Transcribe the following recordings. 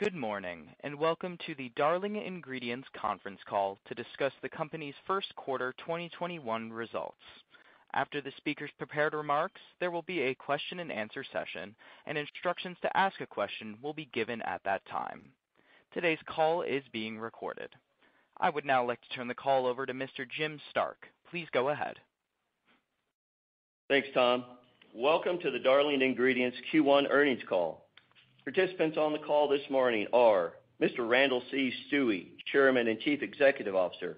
Good morning, welcome to the Darling Ingredients conference call to discuss the company's first quarter 2021 results. After the speakers' prepared remarks, there will be a question and answer session, and instructions to ask a question will be given at that time. Today's call is being recorded. I would now like to turn the call over to Mr. Jim Stark. Please go ahead. Thanks, Tom. Welcome to the Darling Ingredients Q1 earnings call. Participants on the call this morning are Mr. Randall C. Stuewe, Chairman and Chief Executive Officer,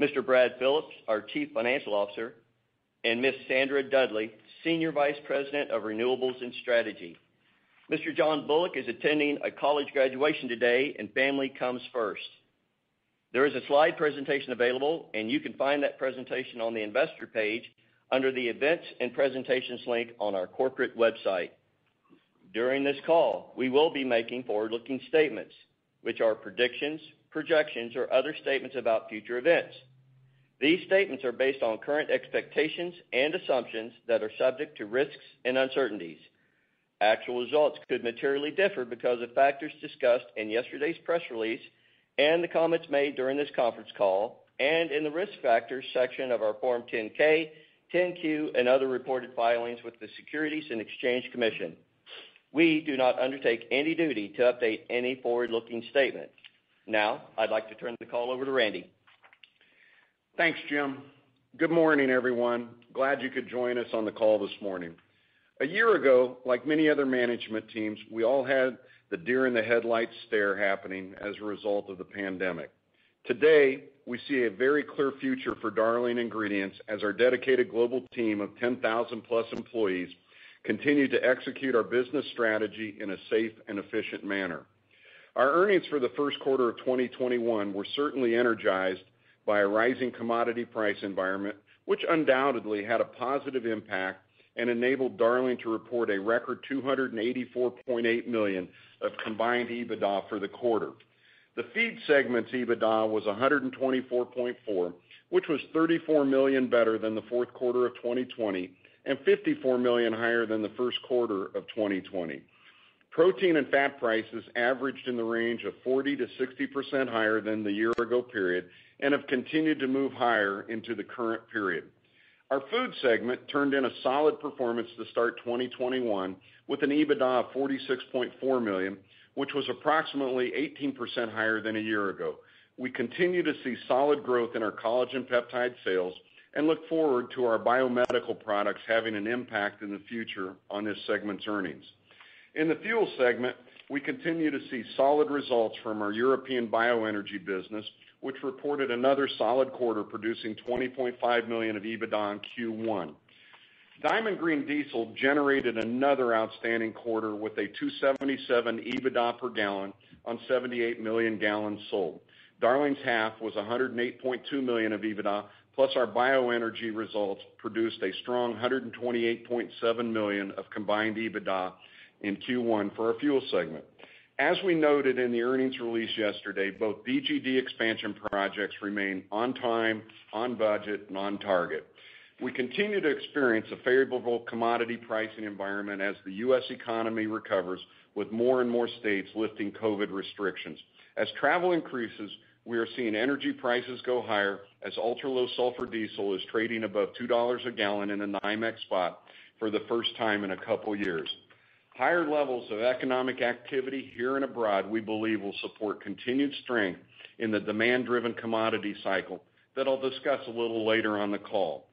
Mr. Brad Phillips, our Chief Financial Officer, and Ms. Sandra Dudley, Senior Vice President of Renewables and Strategy. Mr. John Bullock is attending a college graduation today, and family comes first. There is a slide presentation available, and you can find that presentation on the investor page under the events and presentations link on our corporate website. During this call, we will be making forward-looking statements, which are predictions, projections, or other statements about future events. These statements are based on current expectations and assumptions that are subject to risks and uncertainties. Actual results could materially differ because of factors discussed in yesterday's press release and the comments made during this conference call and in the Risk Factors section of our Form 10-K, 10-Q and other reported filings with the Securities and Exchange Commission. We do not undertake any duty to update any forward-looking statement. Now, I'd like to turn the call over to Randy. Thanks, Jim. Good morning, everyone. Glad you could join us on the call this morning. A year ago, like many other management teams, we all had the deer in the headlights stare happening as a result of the pandemic. Today, we see a very clear future for Darling Ingredients as our dedicated global team of 10,000+ employees continue to execute our business strategy in a safe and efficient manner. Our earnings for the first quarter of 2021 were certainly energized by a rising commodity price environment, which undoubtedly had a positive impact and enabled Darling to report a record $284.8 million of combined EBITDA for the quarter. The Feed segment's EBITDA was $124.4, which was $34 million better than the fourth quarter of 2020, and $54 million higher than the first quarter of 2020. Protein and fat prices averaged in the range of 40%-60% higher than the year ago period, and have continued to move higher into the current period. Our Food segment turned in a solid performance to start 2021 with an EBITDA of $46.4 million, which was approximately 18% higher than a year ago. We continue to see solid growth in our collagen peptide sales and look forward to our biomedical products having an impact in the future on this segment's earnings. In the Fuel segment, we continue to see solid results from our European bioenergy business, which reported another solid quarter producing $20.5 million of EBITDA in Q1. Diamond Green Diesel generated another outstanding quarter with a $2.77 EBITDA per gallon on 78 million gallons sold. Darling's half was $108.2 million of EBITDA, plus our bioenergy results produced a strong $128.7 million of combined EBITDA in Q1 for our Fuel segment. As we noted in the earnings release yesterday, both DGD expansion projects remain on time, on budget, and on target. We continue to experience a favorable commodity pricing environment as the U.S. economy recovers with more and more states lifting COVID restrictions. As travel increases, we are seeing energy prices go higher as ultra-low sulfur diesel is trading above $2 a gallon in the NYMEX spot for the first time in a couple of years. Higher levels of economic activity here and abroad, we believe will support continued strength in the demand-driven commodity cycle that I'll discuss a little later on the call.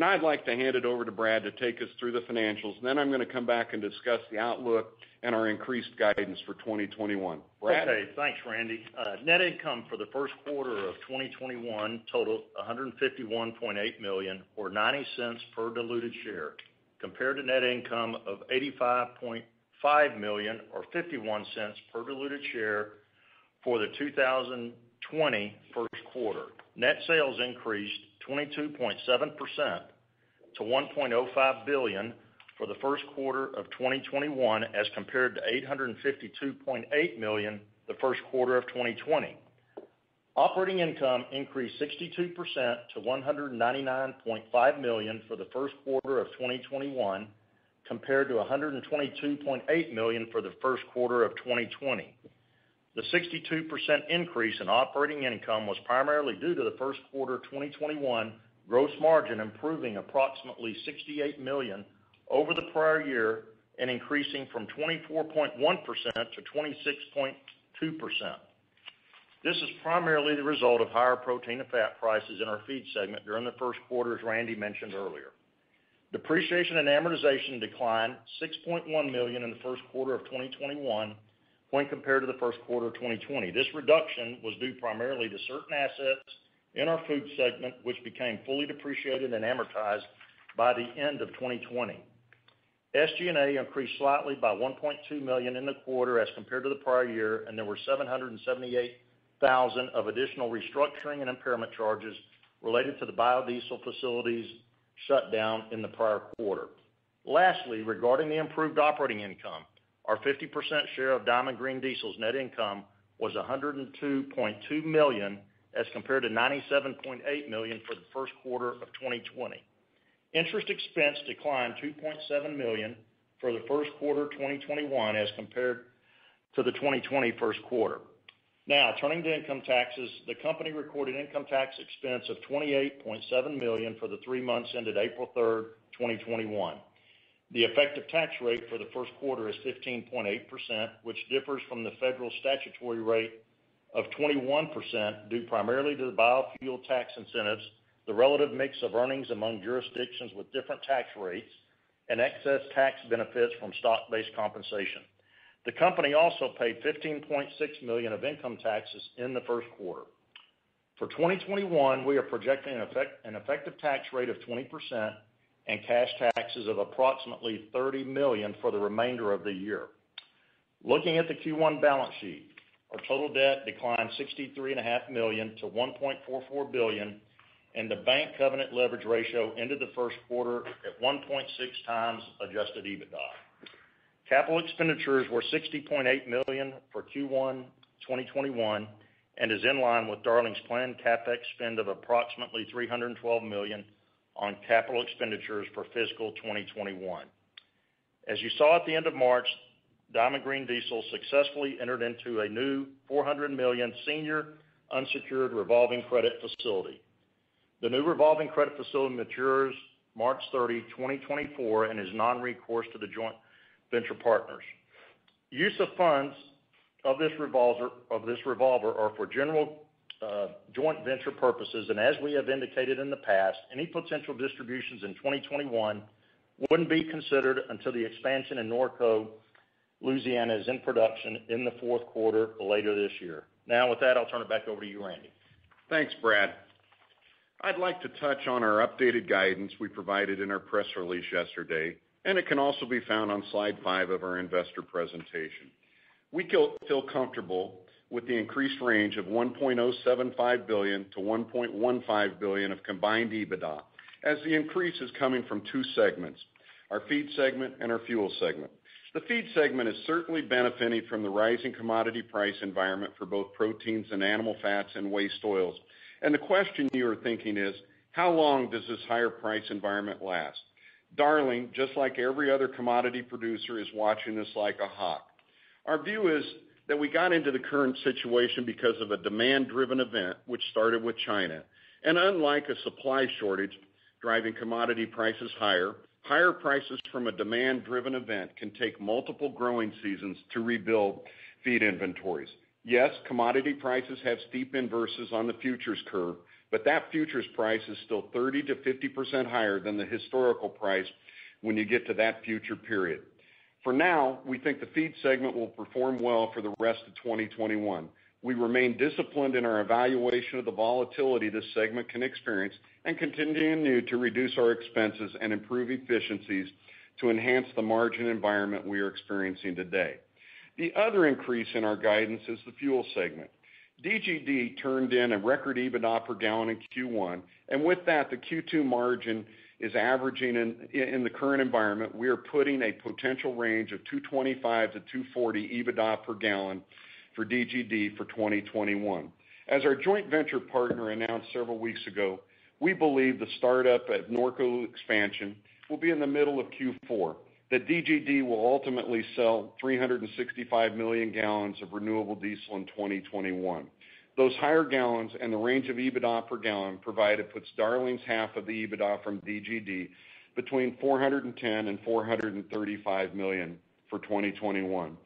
Now I'd like to hand it over to Brad to take us through the financials. I'm going to come back and discuss the outlook and our increased guidance for 2021. Brad? Okay, thanks, Randy. Net income for the first quarter of 2021 totaled $151.8 million, or $0.90 per diluted share, compared to net income of $85.5 million or $0.51 per diluted share for the 2020 first quarter. Net sales increased 22.7% to $1.05 billion for the first quarter of 2021 as compared to $852.8 million the first quarter of 2020. Operating income increased 62% to $199.5 million for the first quarter of 2021, compared to $122.8 million for the first quarter of 2020. The 62% increase in operating income was primarily due to the first quarter 2021 gross margin improving approximately $68 million over the prior year and increasing from 24.1% to 26.2%. This is primarily the result of higher protein and fat prices in our Feed segment during the first quarter, as Randy mentioned earlier. Depreciation and amortization declined $6.1 million in the first quarter of 2021 when compared to the first quarter of 2020. This reduction was due primarily to certain assets in our Food segment which became fully depreciated and amortized by the end of 2020. SG&A increased slightly by $1.2 million in the quarter as compared to the prior year, and there were $778,000 of additional restructuring and impairment charges related to the biodiesel facilities shut down in the prior quarter. Lastly, regarding the improved operating income, our 50% share of Diamond Green Diesel's net income was $102.2 million as compared to $97.8 million for the first quarter of 2020. Interest expense declined $2.7 million for the first quarter 2021 as compared to the 2020 first quarter. Now, turning to income taxes. The company recorded income tax expense of $28.7 million for the three months ended April 3rd, 2021. The effective tax rate for the first quarter is 15.8%, which differs from the federal statutory rate of 21% due primarily to the biofuel tax incentives, the relative mix of earnings among jurisdictions with different tax rates, and excess tax benefits from stock-based compensation. The company also paid $15.6 million of income taxes in the first quarter. For 2021, we are projecting an effective tax rate of 20% and cash taxes of approximately $30 million for the remainder of the year. Looking at the Q1 balance sheet, our total debt declined $63.5 million-$1.44 billion, and the bank covenant leverage ratio ended the first quarter at 1.6x Adjusted EBITDA. Capital expenditures were $60.8 million for Q1 2021, and is in line with Darling's planned CapEx spend of approximately $312 million on capital expenditures for fiscal 2021. As you saw at the end of March, Diamond Green Diesel successfully entered into a new $400 million senior unsecured revolving credit facility. The new revolving credit facility matures March 30, 2024, and is non-recourse to the joint venture partners. Use of funds of this revolver are for general joint venture purposes. As we have indicated in the past, any potential distributions in 2021 wouldn't be considered until the expansion in Norco, Louisiana is in production in the fourth quarter later this year. With that, I'll turn it back over to you, Randy. Thanks, Brad. I'd like to touch on our updated guidance we provided in our press release yesterday. It can also be found on slide five of our investor presentation. We feel comfortable with the increased range of $1.075 billion-$1.15 billion of combined EBITDA, as the increase is coming from two segments, our Feed segment and our Fuel segment. The Feed segment is certainly benefiting from the rising commodity price environment for both proteins and animal fats and waste oils. The question you are thinking is, how long does this higher price environment last? Darling, just like every other commodity producer, is watching this like a hawk. Our view is that we got into the current situation because of a demand-driven event, which started with China. Unlike a supply shortage driving commodity prices higher prices from a demand-driven event can take multiple growing seasons to rebuild Feed inventories. Yes, commodity prices have steep inverses on the futures curve, but that futures price is still 30%-50% higher than the historical price when you get to that future period. For now, we think the Feed segment will perform well for the rest of 2021. We remain disciplined in our evaluation of the volatility this segment can experience and continue to reduce our expenses and improve efficiencies to enhance the margin environment we are experiencing today. The other increase in our guidance is the Fuel segment. DGD turned in a record EBITDA per gallon in Q1, and with that, the Q2 margin is averaging in the current environment. We are putting a potential range of 225-240 EBITDA per gallon for DGD for 2021. As our joint venture partner announced several weeks ago, we believe the startup at Norco expansion will be in the middle of Q4. DGD will ultimately sell 365 million gal of renewable diesel in 2021. Those higher gallons and the range of EBITDA per gallon provided puts Darling's half of the EBITDA from DGD between $410 million-$435 million for 2021.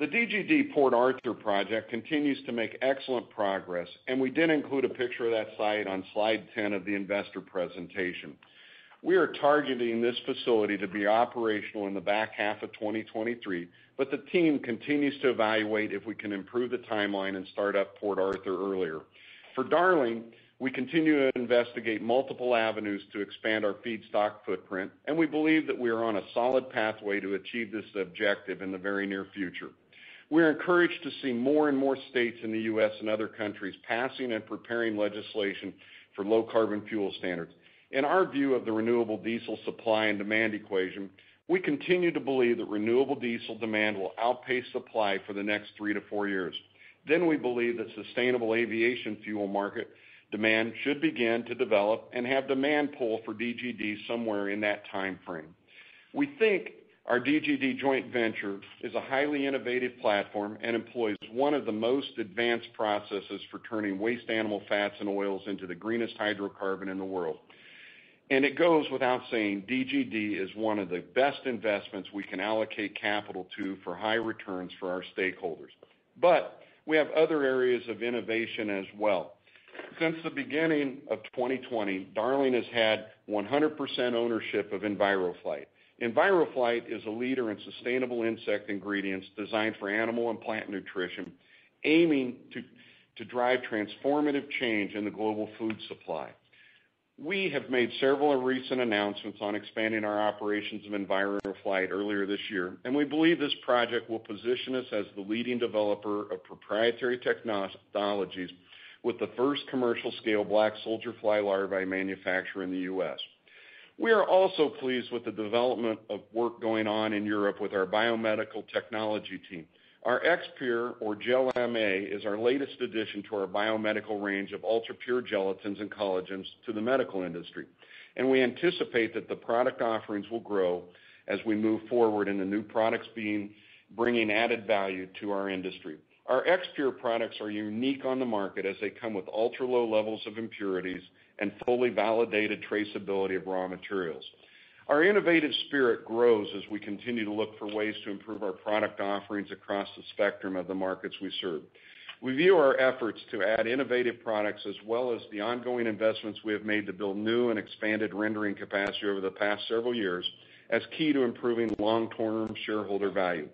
The DGD Port Arthur project continues to make excellent progress, and we did include a picture of that site on slide 10 of the investor presentation. We are targeting this facility to be operational in the back half of 2023, but the team continues to evaluate if we can improve the timeline and start up Port Arthur earlier. For Darling, we continue to investigate multiple avenues to expand our feedstock footprint, and we believe that we are on a solid pathway to achieve this objective in the very near future. We're encouraged to see more and more states in the U.S. and other countries passing and preparing legislation for Low-Carbon Fuel Standard. In our view of the renewable diesel supply and demand equation, we continue to believe that renewable diesel demand will outpace supply for the next three to four years. We believe that sustainable aviation fuel market demand should begin to develop and have demand pull for DGD somewhere in that timeframe. We think our DGD joint venture is a highly innovative platform and employs one of the most advanced processes for turning waste animal fats and oils into the greenest hydrocarbon in the world. It goes without saying, DGD is one of the best investments we can allocate capital to for high returns for our stakeholders. We have other areas of innovation as well. Since the beginning of 2020, Darling has had 100% ownership of EnviroFlight. EnviroFlight is a leader in sustainable insect ingredients designed for animal and plant nutrition, aiming to drive transformative change in the global food supply. We have made several recent announcements on expanding our operations of EnviroFlight earlier this year, and we believe this project will position us as the leading developer of proprietary technologies with the first commercial scale black soldier fly larvae manufacturer in the U.S. We are also pleased with the development of work going on in Europe with our biomedical technology team. Our X-Pure or GelMA is our latest addition to our biomedical range of ultra-pure gelatins and collagens to the medical industry. We anticipate that the product offerings will grow as we move forward in the new products bringing added value to our industry. Our X-Pure products are unique on the market as they come with ultra-low levels of impurities and fully validated traceability of raw materials. Our innovative spirit grows as we continue to look for ways to improve our product offerings across the spectrum of the markets we serve. We view our efforts to add innovative products as well as the ongoing investments we have made to build new and expanded rendering capacity over the past several years, as key to improving long-term shareholder value.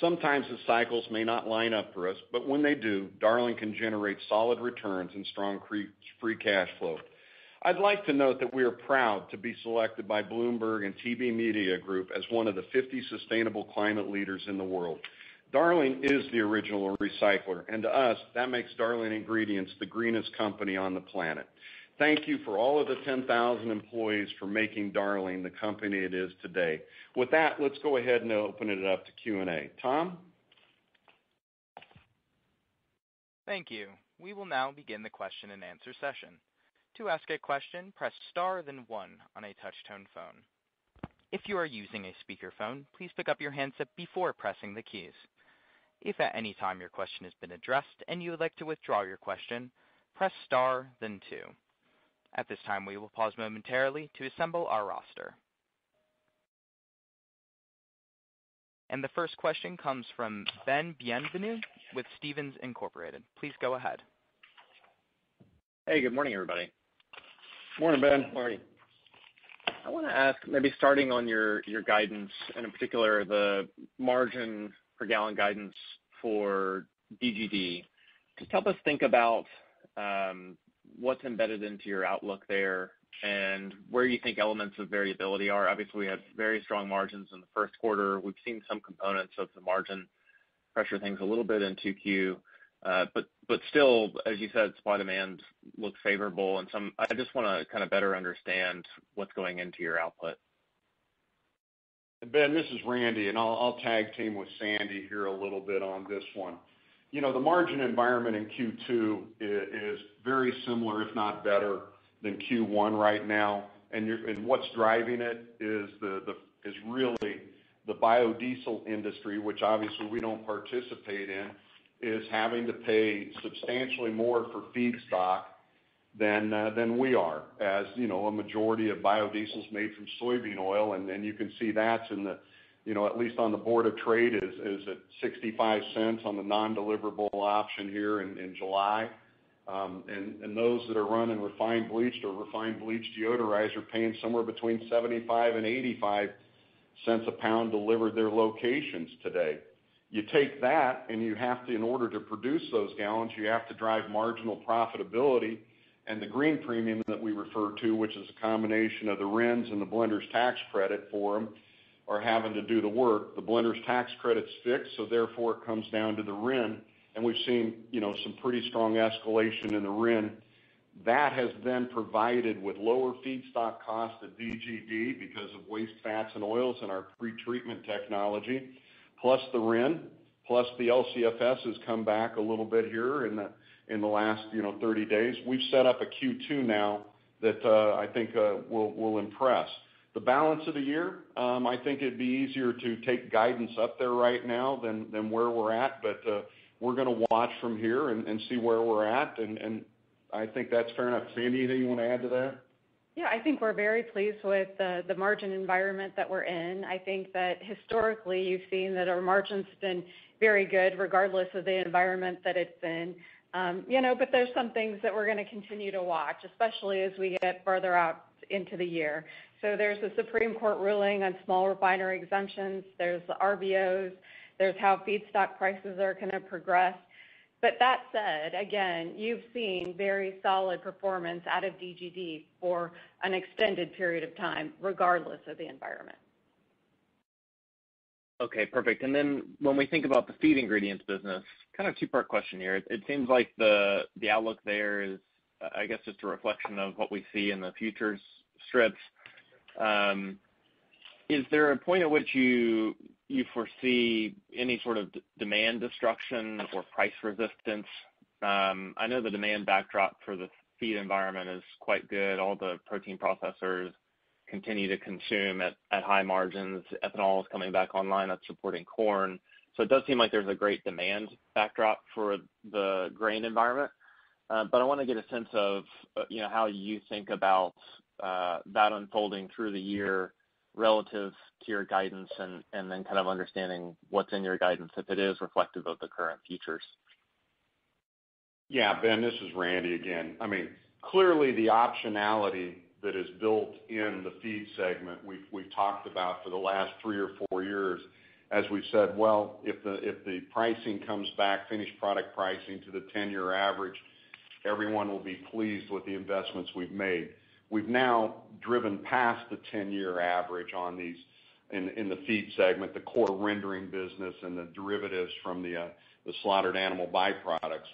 Sometimes the cycles may not line up for us, but when they do, Darling can generate solid returns and strong free cash flow. I'd like to note that we are proud to be selected by Bloomberg and TBD Media Group as one of the 50 Sustainability & Climate Leaders in the world. Darling is the original recycler, and to us, that makes Darling Ingredients the greenest company on the planet. Thank you for all of the 10,000 employees for making Darling the company it is today. With that, let's go ahead and open it up to Q&A. Tom? Thank you. We will now begin the question and answer session. The first question comes from Ben Bienvenu with Stephens Inc.. Please go ahead. Hey, good morning, everybody. Morning, Ben. Morning. I want to ask, maybe starting on your guidance, and in particular, the margin per gallon guidance for DGD. Just help us think about what's embedded into your outlook there and where you think elements of variability are. Obviously, we have very strong margins in the first quarter. We've seen some components of the margin pressure things a little bit in 2Q. Still, as you said, spot demands look favorable and I just want to kind of better understand what's going into your output. Ben, this is Randy, I'll tag-team with Sandy here a little bit on this one. The margin environment in Q2 is very similar, if not better, than Q1 right now. What's driving it is really the biodiesel industry, which obviously we don't participate in, is having to pay substantially more for feedstock than we are. As you know, a majority of biodiesel is made from soybean oil, and you can see that at least on the board of trade is at $0.65 on the non-deliverable option here in July. Those that are run in refined, bleached, or refined bleached deodorized, paying somewhere between $0.75 and $0.85 a pound delivered to their locations today. You take that, in order to produce those gallons, you have to drive marginal profitability. The green premium that we refer to, which is a combination of the RINs and the blenders tax credit for them, are having to do the work. The blenders tax credit's fixed, therefore, it comes down to the RIN, we've seen some pretty strong escalation in the RIN. That has provided with lower feedstock cost at DGD because of waste fats and oils and our pretreatment technology, plus the RIN, plus the LCFS has come back a little bit here in the last 30 days. We've set up a Q2 now that I think will impress. The balance of the year, I think it'd be easier to take guidance up there right now than where we're at. We're going to watch from here and see where we're at, I think that's fair enough. Sandy, anything you want to add to that? Yeah, I think we're very pleased with the margin environment that we're in. I think that historically, you've seen that our margin's been very good, regardless of the environment that it's in. There's some things that we're going to continue to watch, especially as we get further out into the year. There's the Supreme Court ruling on small refinery exemptions, there's the RVOs, there's how feedstock prices are going to progress. That said, again, you've seen very solid performance out of DGD for an extended period of time, regardless of the environment. Okay, perfect. When we think about the feed ingredients business, kind of two-part question here. It seems like the outlook there is, I guess, just a reflection of what we see in the futures strips. Is there a point at which you foresee any sort of demand destruction or price resistance? I know the demand backdrop for the feed environment is quite good. All the protein processors continue to consume at high margins. Ethanol is coming back online. That's supporting corn. It does seem like there's a great demand backdrop for the grain environment. I want to get a sense of how you think about that unfolding through the year relative to your guidance and then kind of understanding what's in your guidance, if it is reflective of the current futures. Yeah, Ben, this is Randy again. Clearly, the optionality that is built in the Feed segment we've talked about for the last three or four years, as we've said, well, if the pricing comes back, finished product pricing to the 10-year average, everyone will be pleased with the investments we've made. We've now driven past the 10-year average in the Feed segment, the core rendering business, and the derivatives from the slaughtered animal byproducts.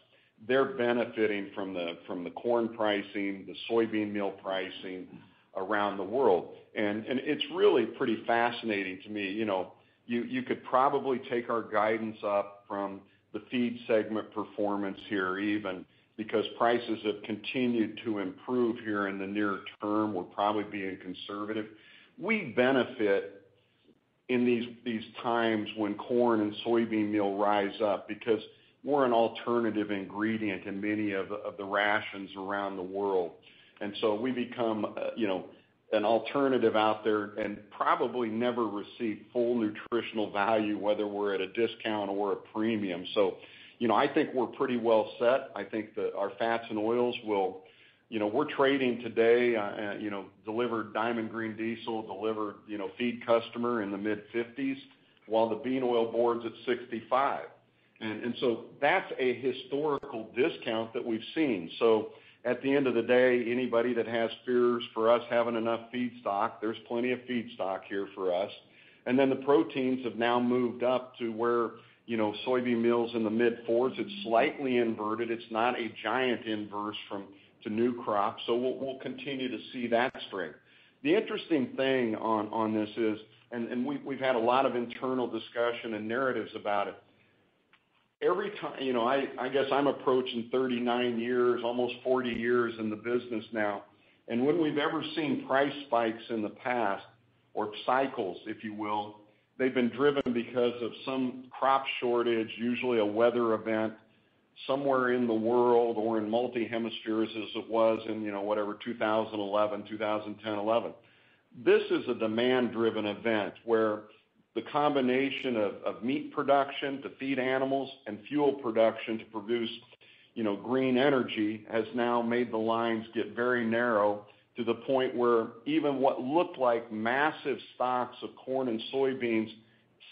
They're benefiting from the corn pricing, the soybean meal pricing around the world. It's really pretty fascinating to me. You could probably take our guidance up from the Feed segment performance here, even because prices have continued to improve here in the near term. We're probably being conservative. We benefit in these times when corn and soybean meal rise up because we're an alternative ingredient in many of the rations around the world. We become an alternative out there and probably never receive full nutritional value, whether we're at a discount or a premium. I think we're pretty well set. I think that our fats and oils we're trading today, delivered Diamond Green Diesel, delivered feed customer in the mid-50s, while the bean oil board's at 65. That's a historical discount that we've seen. At the end of the day, anybody that has fears for us having enough feedstock, there's plenty of feedstock here for us. The proteins have now moved up to where soybean meal's in the mid-40s. It's slightly inverted. It's not a giant inverse to new crop. We'll continue to see that strength. The interesting thing on this is, and we've had a lot of internal discussion and narratives about it. I guess I'm approaching 39 years, almost 40 years in the business now. When we've ever seen price spikes in the past or cycles, if you will, they've been driven because of some crop shortage, usually a weather event somewhere in the world or in multi-hemispheres as it was in, whatever, 2011, 2010-11. This is a demand-driven event where the combination of meat production to feed animals and fuel production to produce green energy has now made the lines get very narrow to the point where even what looked like massive stocks of corn and soybeans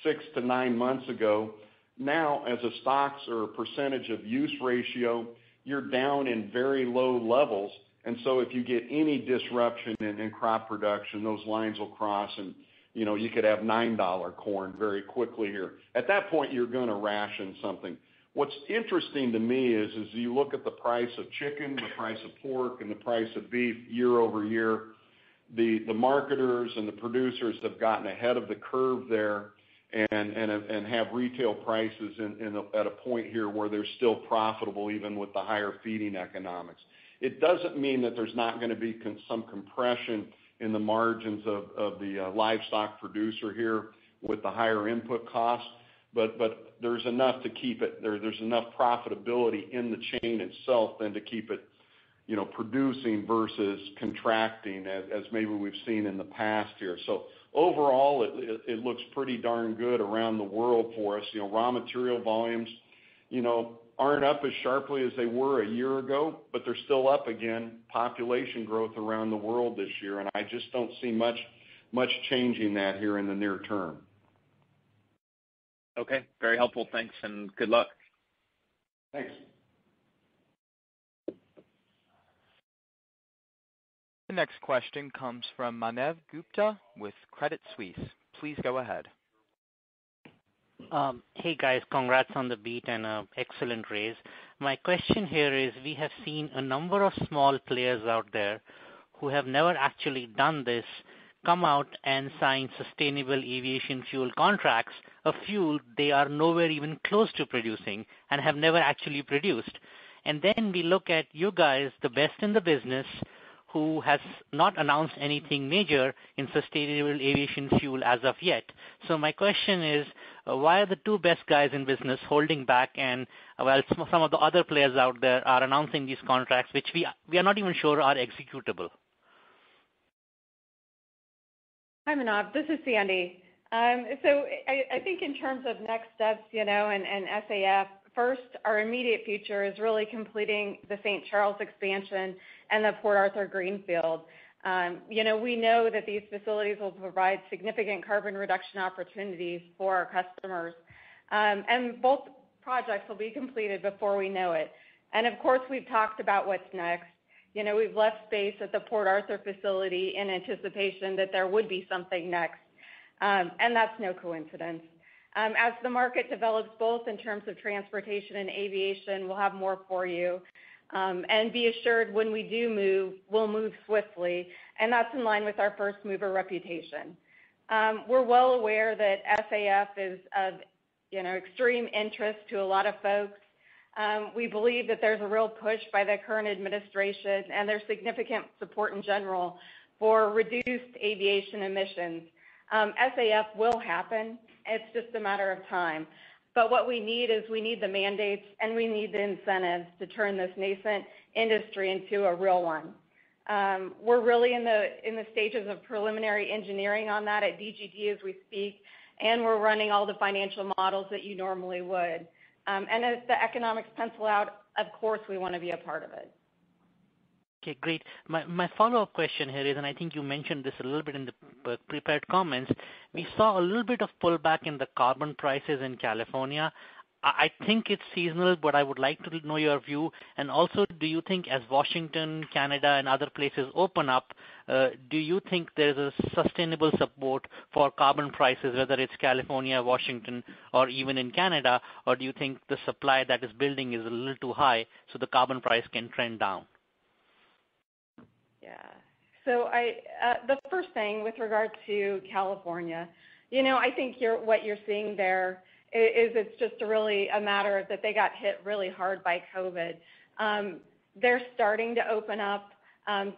six to nine months ago, now, as a stocks or a % of use ratio, you're down in very low levels. If you get any disruption in crop production, those lines will cross and you could have $9 corn very quickly here. At that point, you're going to ration something. What's interesting to me is, as you look at the price of chicken, the price of pork, and the price of beef year-over-year, the marketers and the producers have gotten ahead of the curve there and have retail prices at a point here where they're still profitable, even with the higher feeding economics. It doesn't mean that there's not going to be some compression in the margins of the livestock producer here with the higher input costs, but there's enough profitability in the chain itself then to keep it producing versus contracting as maybe we've seen in the past here. Overall, it looks pretty darn good around the world for us. Raw material volumes aren't up as sharply as they were a year ago, but they're still up again, population growth around the world this year, and I just don't see much changing that here in the near term. Okay. Very helpful. Thanks and good luck. Thanks. The next question comes from Manav Gupta with Credit Suisse. Please go ahead. Hey, guys. Congrats on the beat and excellent raise. My question here is, we have seen a number of small players out there who have never actually done this, come out and sign Sustainable Aviation Fuel contracts, a fuel they are nowhere even close to producing and have never actually produced. We look at you guys, the best in the business, who has not announced anything major in Sustainable Aviation Fuel as of yet. My question is, why are the two best guys in business holding back and while some of the other players out there are announcing these contracts, which we are not even sure are executable? Hi, Manav. This is Sandy. I think in terms of next steps, and SAF, first, our immediate future is really completing the St. Charles expansion and the Port Arthur greenfield. We know that these facilities will provide significant carbon reduction opportunities for our customers. Both projects will be completed before we know it. Of course, we've talked about what's next. We've left space at the Port Arthur facility in anticipation that there would be something next. That's no coincidence. As the market develops, both in terms of transportation and aviation, we'll have more for you. Be assured when we do move, we'll move swiftly, and that's in line with our first-mover reputation. We're well aware that SAF is of extreme interest to a lot of folks. We believe that there's a real push by the current administration and there's significant support in general for reduced aviation emissions. SAF will happen. It's just a matter of time. What we need is we need the mandates and we need the incentives to turn this nascent industry into a real one. We're really in the stages of preliminary engineering on that at DGD as we speak, and we're running all the financial models that you normally would. As the economics pencil out, of course, we want to be a part of it. Okay, great. My follow-up question here is, and I think you mentioned this a little bit in the prepared comments. We saw a little bit of pullback in the carbon prices in California. I think it's seasonal, but I would like to know your view. Do you think as Washington, Canada, and other places open up, do you think there's a sustainable support for carbon prices, whether it's California, Washington, or even in Canada? Do you think the supply that is building is a little too high, so the carbon price can trend down? The first thing with regard to California, I think what you're seeing there is it's just really a matter that they got hit really hard by COVID. They're starting to open up.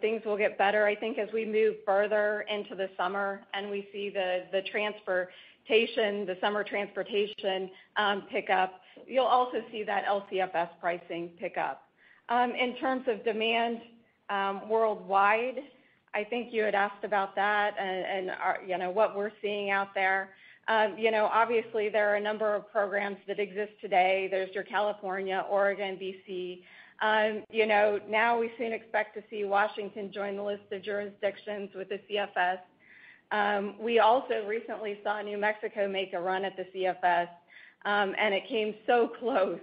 Things will get better, I think, as we move further into the summer and we see the summer transportation pick up. You'll also see that LCFS pricing pick up. In terms of demand worldwide, I think you had asked about that and what we're seeing out there. Obviously, there are a number of programs that exist today. There's your California, Oregon, BC. Now we soon expect to see Washington join the list of jurisdictions with the CFS. We also recently saw New Mexico make a run at the CFS, and it came so close,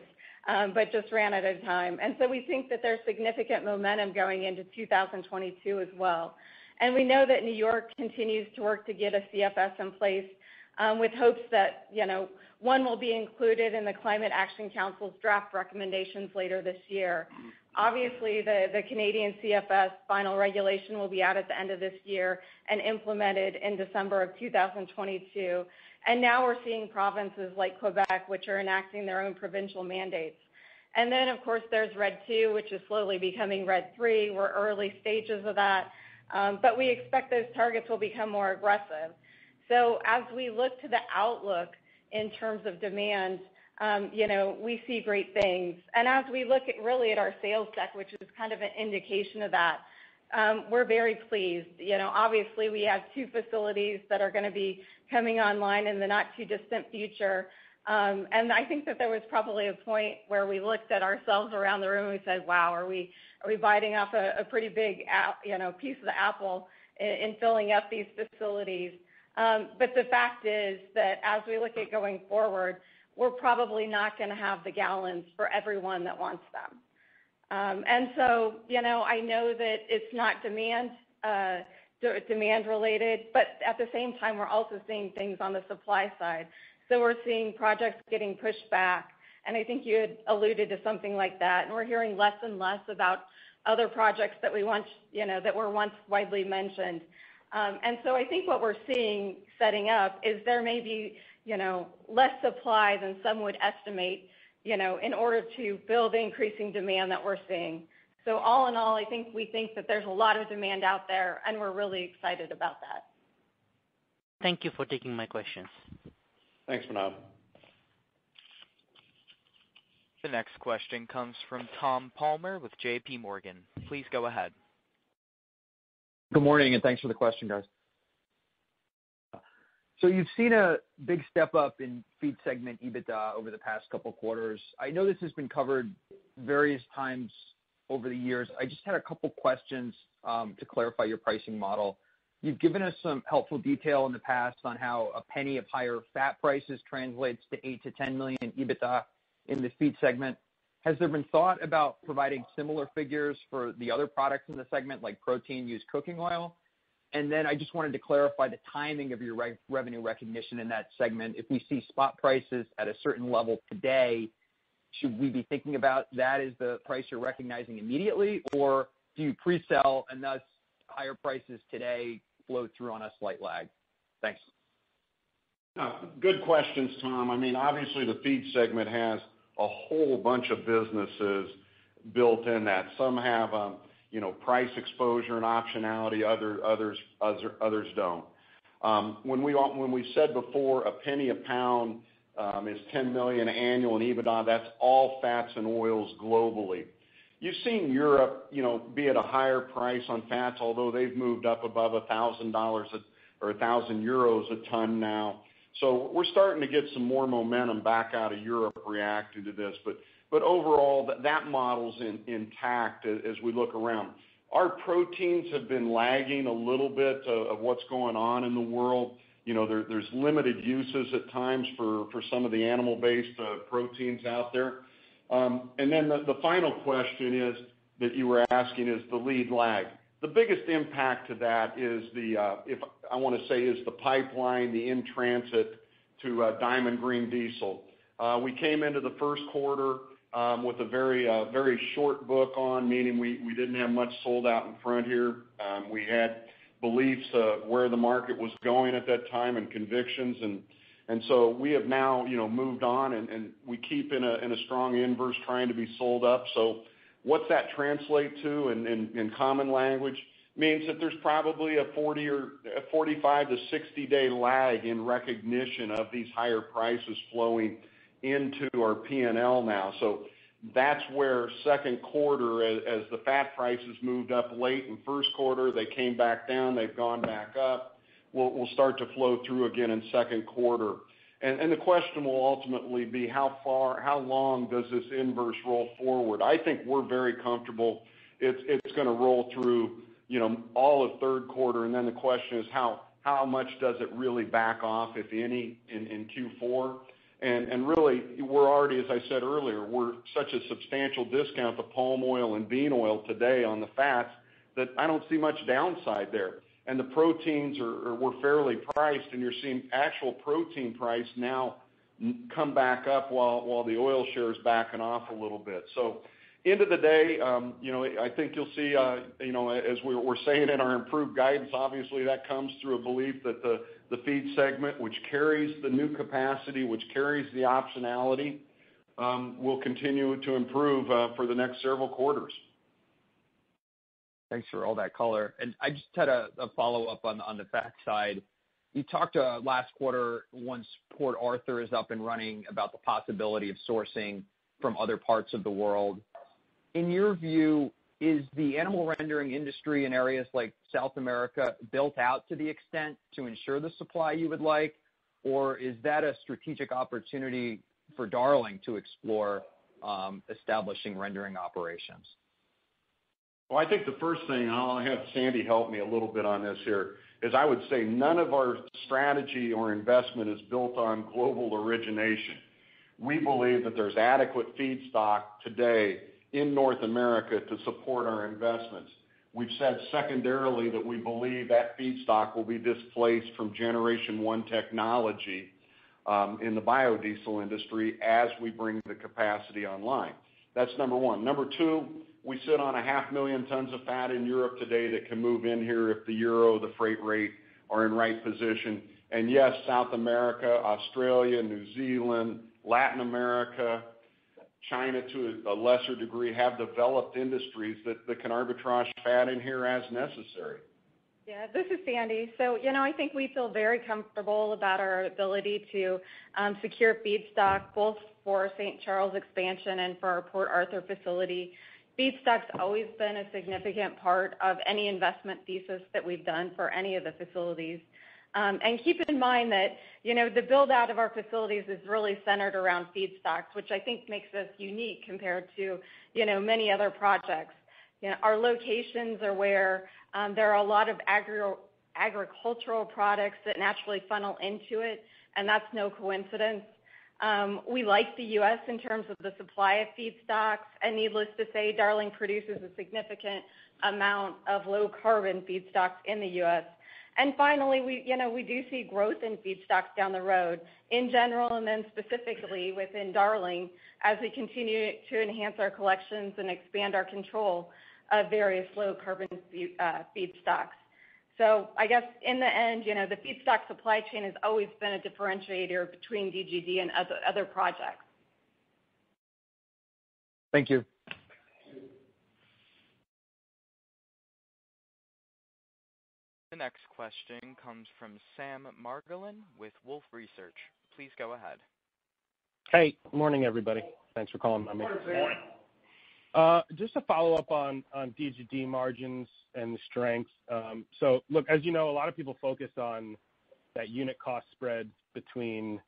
but just ran out of time. We think that there's significant momentum going into 2022 as well. We know that New York continues to work to get a CFS in place, with hopes that one will be included in the Climate Action Council's draft recommendations later this year. Obviously, the Canadian CFS final regulation will be out at the end of this year and implemented in December of 2022. Now we're seeing provinces like Quebec, which are enacting their own provincial mandates. Of course, there's RED II, which is slowly becoming RED III. We're early stages of that. We expect those targets will become more aggressive. As we look to the outlook in terms of demand, we see great things. As we look really at our sales deck, which is kind of an indication of that, we're very pleased. Obviously, we have two facilities that are going to be coming online in the not too distant future. I think that there was probably a point where we looked at ourselves around the room and we said, "Wow, are we biting off a pretty big piece of the apple in filling up these facilities?" The fact is that as we look at going forward, we're probably not going to have the gallons for everyone that wants them. I know that it's not demand related, but at the same time, we're also seeing things on the supply side. We're seeing projects getting pushed back, and I think you had alluded to something like that. We're hearing less and less about other projects that were once widely mentioned. I think what we're seeing setting up is there may be less supply than some would estimate, in order to build the increasing demand that we're seeing. All in all, I think we think that there's a lot of demand out there, and we're really excited about that. Thank you for taking my questions. Thanks, Manav. The next question comes from Tom Palmer with JPMorgan. Please go ahead. Good morning, thanks for the question, guys. You've seen a big step up in Feed segment EBITDA over the past couple quarters. I know this has been covered various times over the years. I just had a couple questions to clarify your pricing model. You've given us some helpful detail in the past on how $0.01 of higher fat prices translates to $8 million-$10 million in EBITDA in the Feed segment. Has there been thought about providing similar figures for the other products in the segment, like protein, used cooking oil? I just wanted to clarify the timing of your revenue recognition in that segment. If we see spot prices at a certain level today, should we be thinking about that as the price you're recognizing immediately? Do you pre-sell, and thus higher prices today flow through on a slight lag? Thanks. Good questions, Tom. Obviously, the Feed segment has a whole bunch of businesses built in, that some have price exposure and optionality, others don't. When we said before a penny a pound is $10 million annual in EBITDA, that's all fats and oils globally. You've seen Europe be at a higher price on fats, although they've moved up above $1,000 or 1,000 euros a ton now. We're starting to get some more momentum back out of Europe reacting to this. Overall, that model's intact as we look around. Our proteins have been lagging a little bit of what's going on in the world. There's limited uses at times for some of the animal-based proteins out there. The final question that you were asking is the lead lag. The biggest impact to that is the, I want to say, is the pipeline, the in-transit to Diamond Green Diesel. We came into the first quarter with a very short book on, meaning we didn't have much sold out in front here. We had beliefs of where the market was going at that time and convictions. We have now moved on, we keep in a strong inverse trying to be sold up. What's that translate to in common language? Means that there's probably a 45-60 day lag in recognition of these higher prices flowing into our P&L now. That's where second quarter, as the fat prices moved up late in first quarter, they came back down, they've gone back up, will start to flow through again in second quarter. The question will ultimately be how long does this inverse roll forward? I think we're very comfortable it's going to roll through all of third quarter, and then the question is how much does it really back off, if any, in Q4? Really, we're already, as I said earlier, we're such a substantial discount to palm oil and bean oil today on the fats, that I don't see much downside there. The proteins, we're fairly priced, and you're seeing actual protein price now come back up while the oil share is backing off a little bit. End of the day, I think you'll see, as we're saying in our improved guidance, obviously, that comes through a belief that the Feed segment, which carries the new capacity, which carries the optionality, will continue to improve for the next several quarters. Thanks for all that color. I just had a follow-up on the back side. You talked last quarter, once Port Arthur is up and running, about the possibility of sourcing from other parts of the world. In your view, is the animal rendering industry in areas like South America built out to the extent to ensure the supply you would like? Or is that a strategic opportunity for Darling to explore establishing rendering operations? Well, I think the first thing, and I'll have Sandy help me a little bit on this here, is I would say none of our strategy or investment is built on global origination. We believe that there's adequate feedstock today in North America to support our investments. We've said secondarily, that we believe that feedstock will be displaced from Generation 1 technology, in the biodiesel industry as we bring the capacity online. That's number one. Number two, we sit on a half million tons of fat in Europe today that can move in here if the EUR, the freight rate are in right position. Yes, South America, Australia, New Zealand, Latin America, China too, a lesser degree, have developed industries that can arbitrage fat in here as necessary. This is Sandy. I think we feel very comfortable about our ability to secure feedstock both for St. Charles expansion and for our Port Arthur facility. Feedstock's always been a significant part of any investment thesis that we've done for any of the facilities. Keep in mind that the build-out of our facilities is really centered around feedstocks, which I think makes us unique compared to many other projects. Our locations are where there are a lot of agricultural products that naturally funnel into it, and that's no coincidence. We like the U.S. in terms of the supply of feedstocks. Needless to say, Darling produces a significant amount of low-carbon feedstocks in the U.S. Finally, we do see growth in feedstocks down the road, in general, and then specifically within Darling as we continue to enhance our collections and expand our control of various low-carbon feedstocks. I guess in the end, the feedstock supply chain has always been a differentiator between DGD and other projects. Thank you. The next question comes from Sam Margolin with Wolfe Research. Please go ahead. Hey, morning, everybody. Thanks for calling on me. Morning, Sam. Just to follow up on DGD margins and the strength. Look, as you know, a lot of people focus on that unit cost spread between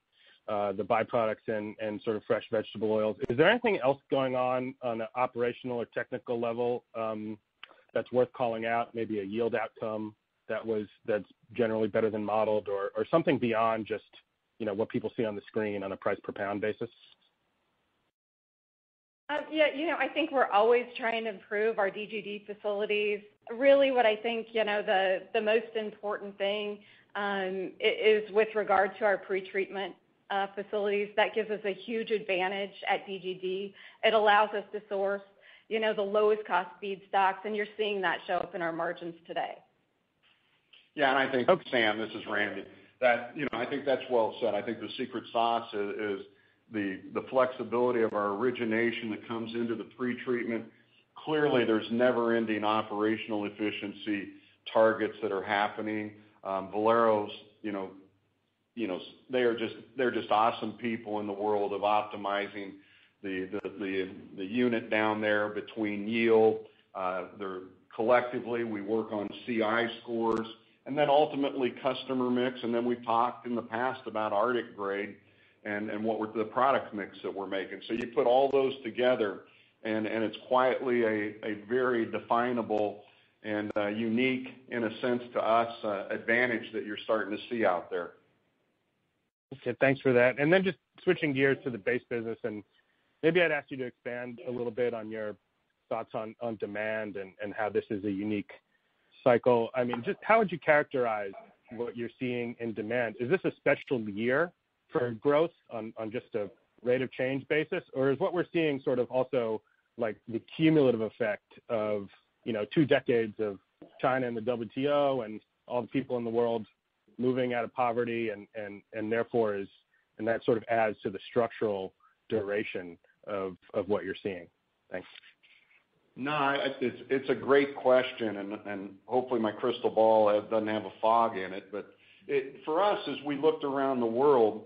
the byproducts and sort of fresh vegetable oils. Is there anything else going on an operational or technical level that's worth calling out? Maybe a yield outcome that's generally better than modeled or something beyond just what people see on the screen on a price per pound basis? I think we're always trying to improve our DGD facilities. Really what I think the most important thing, is with regard to our pretreatment facilities. That gives us a huge advantage at DGD. It allows us to source the lowest cost feedstocks, and you're seeing that show up in our margins today. Yeah, I think, Sam, this is Randy. I think that's well said. I think the secret sauce is the flexibility of our origination that comes into the pretreatment. Clearly, there's never-ending operational efficiency targets that are happening. Valero's, they're just awesome people in the world of optimizing the unit down there between yield. Collectively, we work on CI scores, and then ultimately customer mix, and then we've talked in the past about Arctic grade and the product mix that we're making. You put all those together, and it's quietly a very definable and unique, in a sense to us, advantage that you're starting to see out there. Okay. Thanks for that. Just switching gears to the base business, and maybe I'd ask you to expand a little bit on your thoughts on demand and how this is a unique cycle. How would you characterize what you're seeing in demand? Is this a special year for growth on just a rate of change basis? Or is what we're seeing sort of also like the cumulative effect of two decades of China and the WTO and all the people in the world moving out of poverty and therefore, and that sort of adds to the structural duration of what you're seeing? Thanks. No, it's a great question. Hopefully my crystal ball doesn't have a fog in it. For us, as we looked around the world,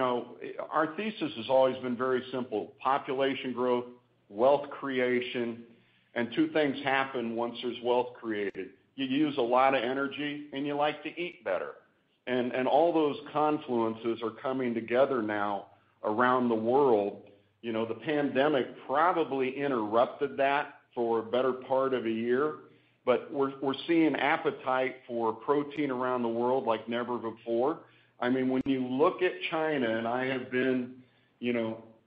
our thesis has always been very simple. Population growth, wealth creation. Two things happen once there's wealth created. You use a lot of energy. You like to eat better. All those confluences are coming together now around the world. The pandemic probably interrupted that for a better part of a year. We're seeing appetite for protein around the world like never before. When you look at China. I have been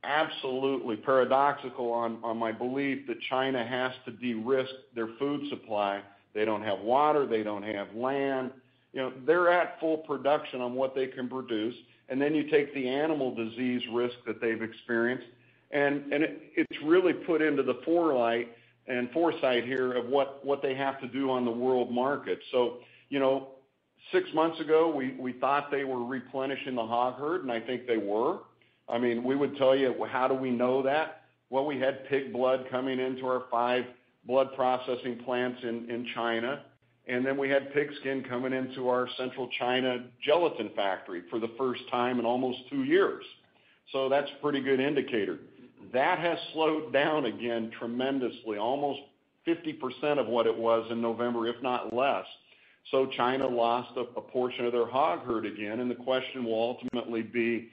absolutely paradoxical on my belief that China has to de-risk their food supply. They don't have water. They don't have land. They're at full production on what they can produce. Then you take the animal disease risk that they've experienced. It's really put into the forelight and foresight here of what they have to do on the world market. Six months ago, we thought they were replenishing the hog herd, and I think they were. We would tell you, how do we know that? Well, we had pig blood coming into our five blood processing plants in China, and then we had pig skin coming into our Central China gelatin factory for the first time in almost two years. That's a pretty good indicator. That has slowed down again tremendously, almost 50% of what it was in November, if not less. China lost a portion of their hog herd again, and the question will ultimately be,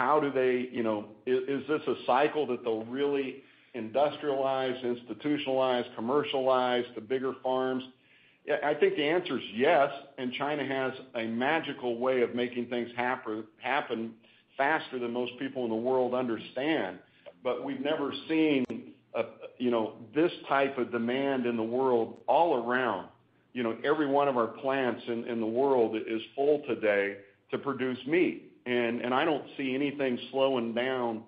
is this a cycle that they'll really industrialize, institutionalize, commercialize the bigger farms? I think the answer is yes. China has a magical way of making things happen faster than most people in the world understand. We've never seen this type of demand in the world all around. Every one of our plants in the world is full today to produce meat. I don't see anything slowing down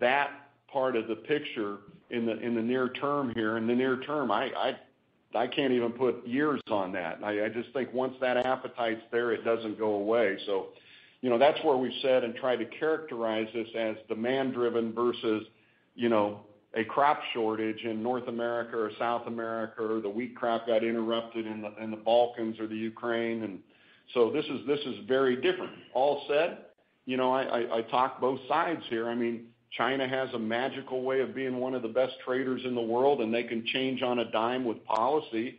that part of the picture in the near term here. In the near term, I can't even put years on that. I just think once that appetite's there, it doesn't go away. That's where we've said and tried to characterize this as demand-driven versus a crop shortage in North America or South America, or the wheat crop got interrupted in the Balkans or the Ukraine. This is very different. All said, I talk both sides here. China has a magical way of being one of the best traders in the world, and they can change on a dime with policy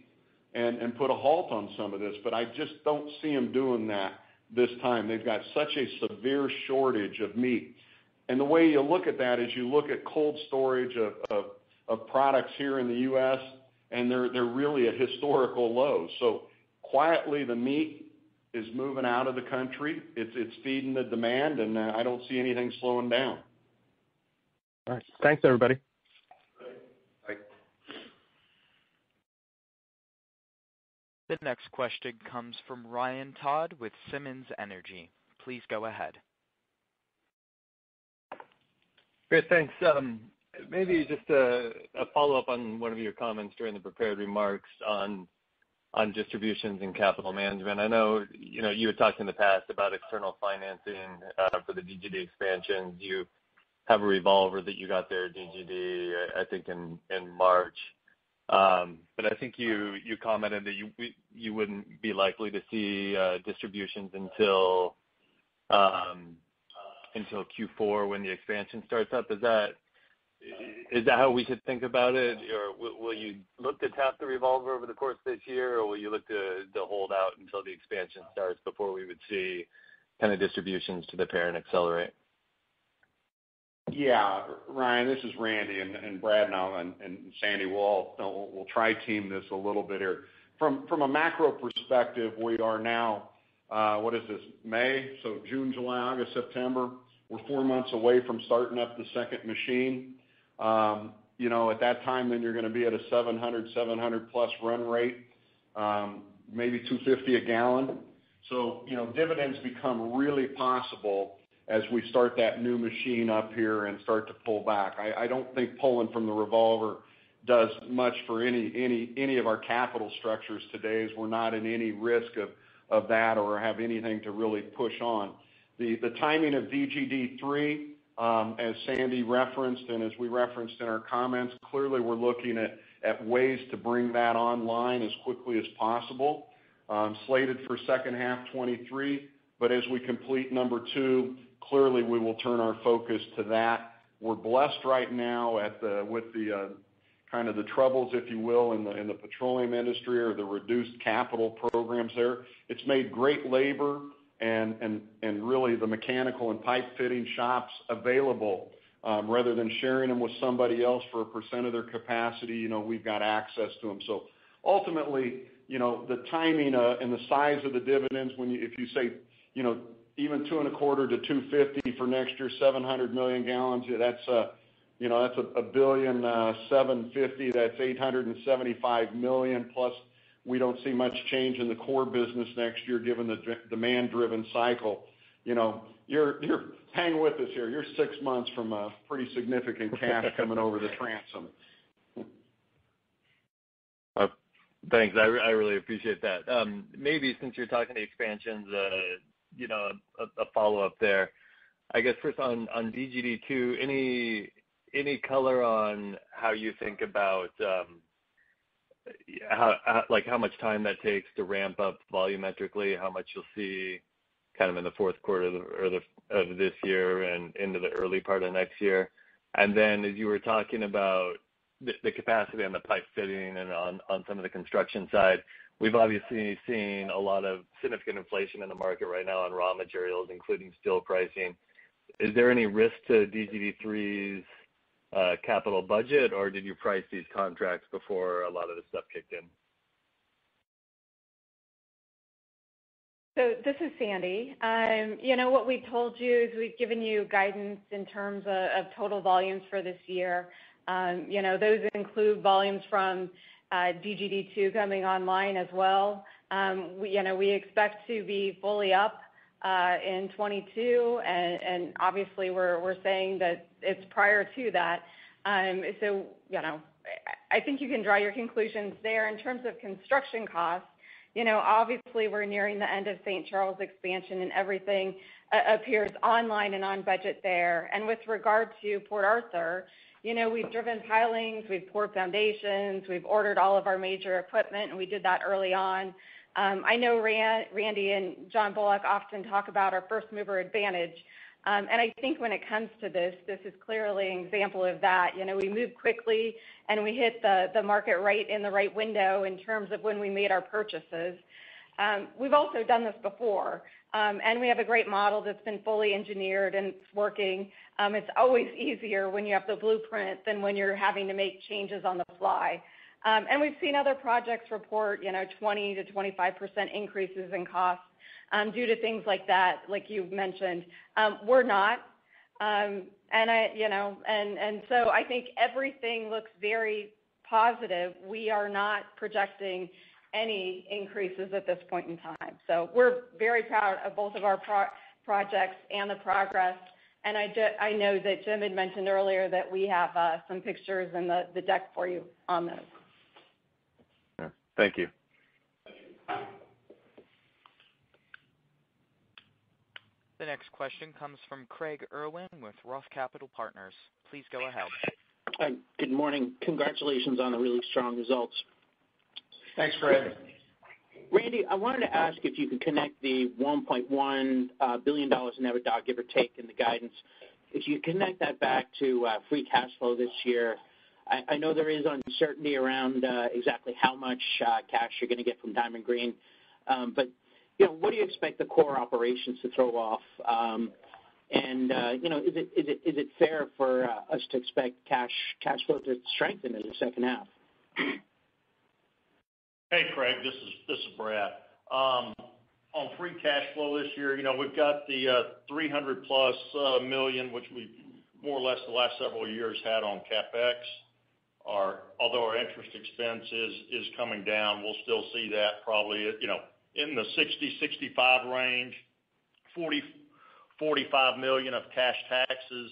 and put a halt on some of this. I just don't see them doing that this time. They've got such a severe shortage of meat. The way you look at that is you look at cold storage of products here in the U.S., and they're really at historical lows. Quietly, the meat is moving out of the country. It's feeding the demand, and I don't see anything slowing down. All right. Thanks, everybody. Bye. Bye. The next question comes from Ryan Todd with Simmons Energy. Please go ahead. Great. Thanks. Maybe just a follow-up on one of your comments during the prepared remarks on distributions and capital management. I know you had talked in the past about external financing for the DGD expansion. You have a revolver that you got there at DGD, I think, in March. I think you commented that you wouldn't be likely to see distributions until Q4 when the expansion starts up. Is that how we should think about it? Will you look to tap the revolver over the course of this year, or will you look to hold out until the expansion starts before we would see distributions to the parent accelerate? Ryan, this is Randy, and Brad now, and Sandy. We'll try to team this a little bit here. From a macro perspective, we are now, what is this, May? June, July, August, September, we're four months away from starting up the second machine. At that time, you're going to be at a 700+ run rate, maybe 250 a gal. Dividends become really possible as we start that new machine up here and start to pull back. I don't think pulling from the revolver does much for any of our capital structures today, as we're not in any risk of that or have anything to really push on. The timing of DGD 3, as Sandy referenced and as we referenced in our comments, clearly we're looking at ways to bring that online as quickly as possible. Slated for second half 2023. As we complete number two, clearly we will turn our focus to that. We're blessed right now with the troubles, if you will, in the petroleum industry or the reduced capital programs there. It's made great labor and really the mechanical and pipe fitting shops available. Rather than sharing them with somebody else for a percentage of their capacity, we've got access to them. Ultimately, the timing and the size of the dividends, if you say even two and a quarter to $2.50 for next year, 700 million gal, that's $1.75 billion. That's $875 million, plus we don't see much change in the core business next year given the demand-driven cycle. Hang with us here. You're six months from a pretty significant cash coming over the transom. Thanks. I really appreciate that. Maybe since you're talking expansions, a follow-up there. I guess first on DGD 2, any color on how you think about how much time that takes to ramp up volumetrically, how much you'll see in the fourth quarter of this year and into the early part of next year? As you were talking about the capacity on the pipe fitting and on some of the construction side, we've obviously seen a lot of significant inflation in the market right now on raw materials, including steel pricing. Is there any risk to DGD 3's capital budget, or did you price these contracts before a lot of this stuff kicked in? This is Sandy. What we've told you is we've given you guidance in terms of total volumes for this year. Those include volumes from DGD 2 coming online as well. We expect to be fully up in 2022, obviously, we're saying that it's prior to that. I think you can draw your conclusions there. In terms of construction costs, obviously, we're nearing the end of St. Charles expansion, everything appears online and on budget there. With regard to Port Arthur, we've driven pilings, we've poured foundations, we've ordered all of our major equipment, we did that early on. I know Randy and John Bullock often talk about our first-mover advantage. I think when it comes to this is clearly an example of that. We moved quickly, we hit the market right in the right window in terms of when we made our purchases. We've also done this before. We have a great model that's been fully engineered, and it's working. It's always easier when you have the blueprint than when you're having to make changes on the fly. We've seen other projects report 20%-25% increases in costs due to things like that, like you've mentioned. We're not. I think everything looks very positive. We are not projecting any increases at this point in time. We're very proud of both of our projects and the progress. I know that Jim had mentioned earlier that we have some pictures in the deck for you on those. Yeah. Thank you. The next question comes from Craig Irwin with Roth Capital Partners. Please go ahead. Hi. Good morning. Congratulations on the really strong results. Thanks, Craig. Randy, I wanted to ask if you could connect the $1.1 billion in EBITDA, give or take, in the guidance. If you connect that back to free cash flow this year, I know there is uncertainty around exactly how much cash you're going to get from Diamond Green. What do you expect the core operations to throw off? Is it fair for us to expect cash flow to strengthen in the second half? Hey, Craig, this is Brad. On free cash flow this year, we've got the $300+ million, which we've more or less the last several years had on CapEx. Our interest expense is coming down, we'll still see that probably in the $60 million-$65 million range. $45 million of cash taxes.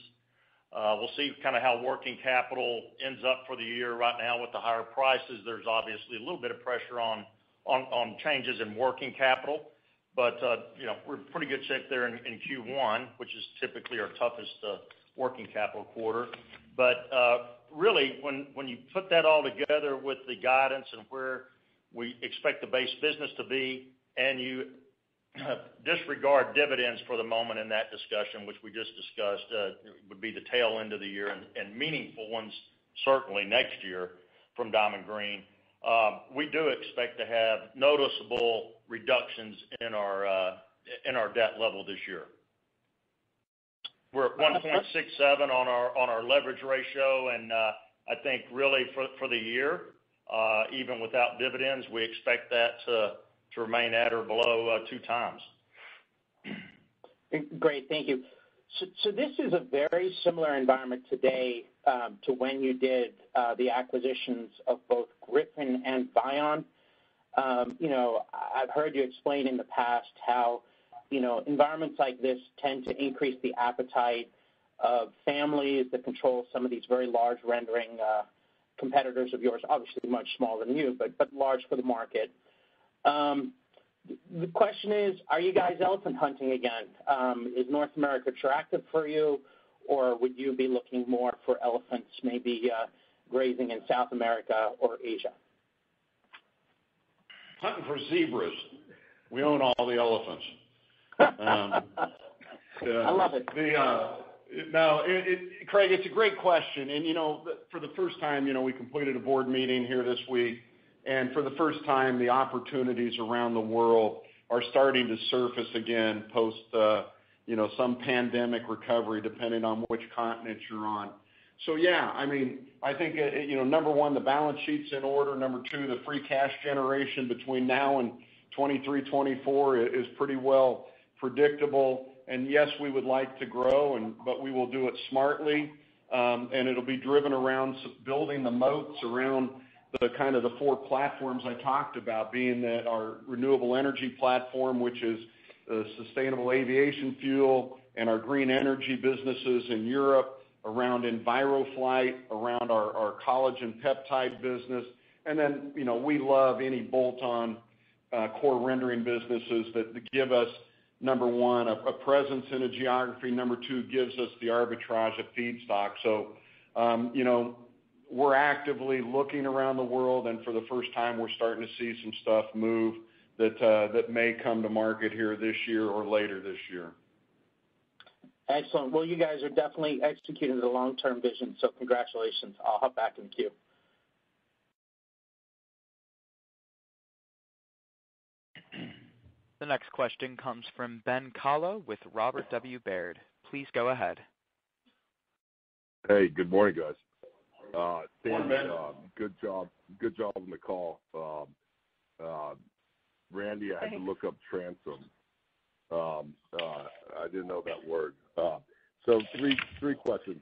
We'll see how working capital ends up for the year. Right now with the higher prices, there's obviously a little bit of pressure on changes in working capital. We're in pretty good shape there in Q1, which is typically our toughest working capital quarter. Really, when you put that all together with the guidance and where we expect the base business to be, and you disregard dividends for the moment in that discussion, which we just discussed, would be the tail end of the year and meaningful ones certainly next year from Diamond Green. We do expect to have noticeable reductions in our debt level this year. We're at 1.67 on our leverage ratio. I think really for the year, even without dividends, we expect that to remain at or below 2x. Great. Thank you. This is a very similar environment today to when you did the acquisitions of both Griffin and Vion. I've heard you explain in the past how environments like this tend to increase the appetite of families that control some of these very large rendering competitors of yours. Obviously, much smaller than you, but large for the market. The question is, are you guys elephant hunting again? Is North America attractive for you, or would you be looking more for elephants maybe grazing in South America or Asia? Hunting for zebras. We own all the elephants. I love it. Craig, it's a great question. For the first time, we completed a board meeting here this week. For the first time, the opportunities around the world are starting to surface again, post some pandemic recovery, depending on which continent you're on. Yeah. I think number one, the balance sheet's in order. Number two, the free cash generation between now and 2023, 2024 is pretty well predictable. Yes, we would like to grow, but we will do it smartly. It'll be driven around building the moats around the four platforms I talked about, being that our renewable energy platform, which is sustainable aviation fuel and our green energy businesses in Europe, around EnviroFlight, around our collagen peptide business. Then, we love any bolt-on core rendering businesses that give us, number one, a presence in a geography. Number two, gives us the arbitrage of feedstock. We're actively looking around the world, and for the first time, we're starting to see some stuff move that may come to market here this year or later this year. Excellent. Well, you guys are definitely executing the long-term vision, so congratulations. I'll hop back in queue. The next question comes from Ben Kallo with Robert W. Baird. Please go ahead. Hey, good morning, guys. Morning, Ben. Good job on the call. Randy, I had to look up transom. Thanks. I didn't know that word. Three questions.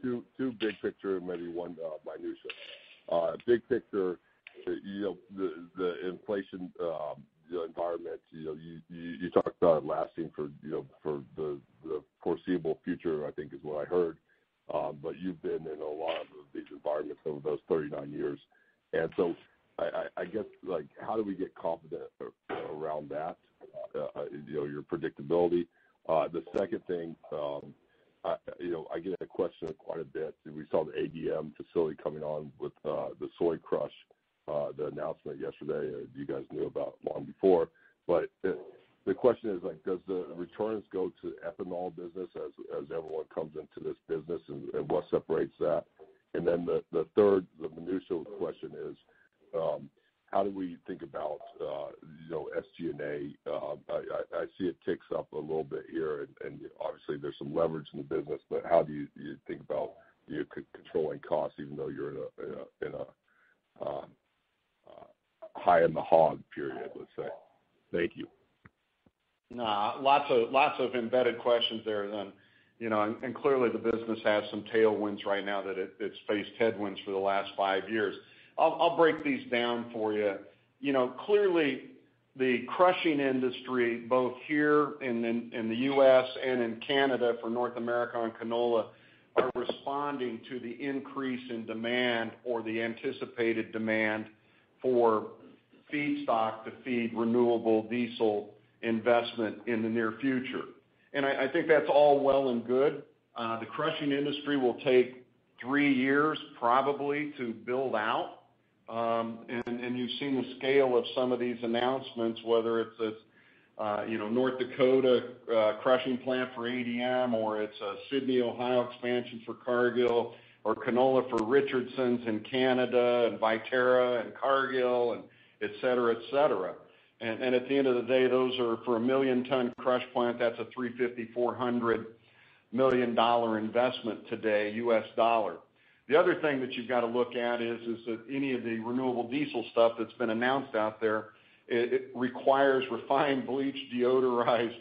Two big picture, and maybe one minutiae. Big picture, the inflation environment, you talked about it lasting for the foreseeable future, I think is what I heard. You've been in a lot of these environments over those 39 years. I guess, how do we get confident around that, your predictability? The second thing, I get that question quite a bit. We saw the ADM facility coming on with the soy crush, the announcement yesterday. You guys knew about it long before. The question is: does the returns go to ethanol business as everyone comes into this business, and what separates that? The third, the minutiae question is: how do we think about SG&A? I see it ticks up a little bit here, and obviously, there's some leverage in the business, but how do you think about controlling costs even though you're in a high in the hog period, let's say? Thank you. Lots of embedded questions there, then. Clearly, the business has some tailwinds right now that it's faced headwinds for the last 5 years. I'll break these down for you. Clearly, the crushing industry, both here in the U.S. and in Canada for North America on canola, are responding to the increase in demand or the anticipated demand for feedstock to feed renewable diesel investment in the near future. I think that's all well and good. The crushing industry will take three years, probably, to build out. You've seen the scale of some of these announcements, whether it's a North Dakota crushing plant for ADM, or it's a Sidney, Ohio expansion for Cargill, or canola for Richardson's in Canada, and Viterra and Cargill, and etc. At the end of the day, those are for a million-ton crush plant, that's a $350 million-$400 million investment today, US dollar. The other thing that you've got to look at is that any of the renewable diesel stuff that's been announced out there, it requires refined bleach deodorized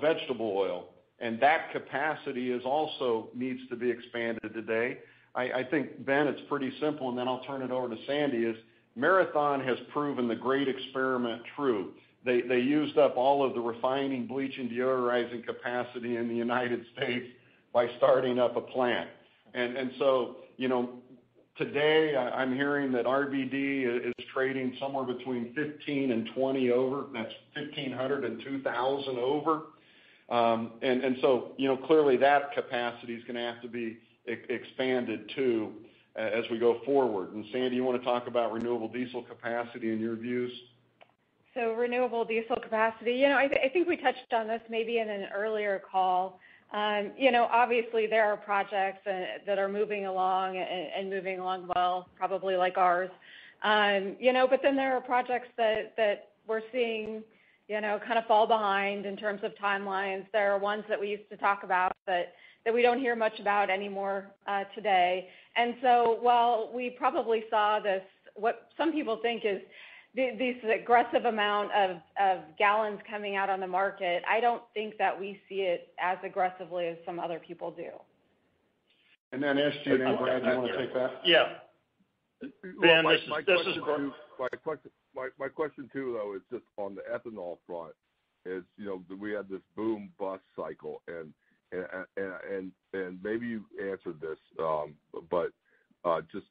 vegetable oil, and that capacity also needs to be expanded today. I think, Ben, it's pretty simple, then I'll turn it over to Sandy, is Marathon has proven the great experiment true. They used up all of the refining bleach and deodorizing capacity in the U.S. by starting up a plant. Today, I'm hearing that RBD is trading somewhere between 15 and 20 over, that's 1,500 and 2,000 over. Clearly, that capacity's going to have to be expanded, too, as we go forward. Sandy, you want to talk about renewable diesel capacity and your views? Renewable diesel capacity. I think we touched on this maybe in an earlier call. Obviously, there are projects that are moving along and moving along well, probably like ours. There are projects that we're seeing kind of fall behind in terms of timelines. There are ones that we used to talk about that we don't hear much about anymore today. While we probably saw this, what some people think is this aggressive amount of gallons coming out on the market, I don't think that we see it as aggressively as some other people do. SG&A, Brad, do you want to take that? Yeah, Ben. My question, too, though, is just on the ethanol front is, we had this boom bust cycle, and maybe you've answered this, but just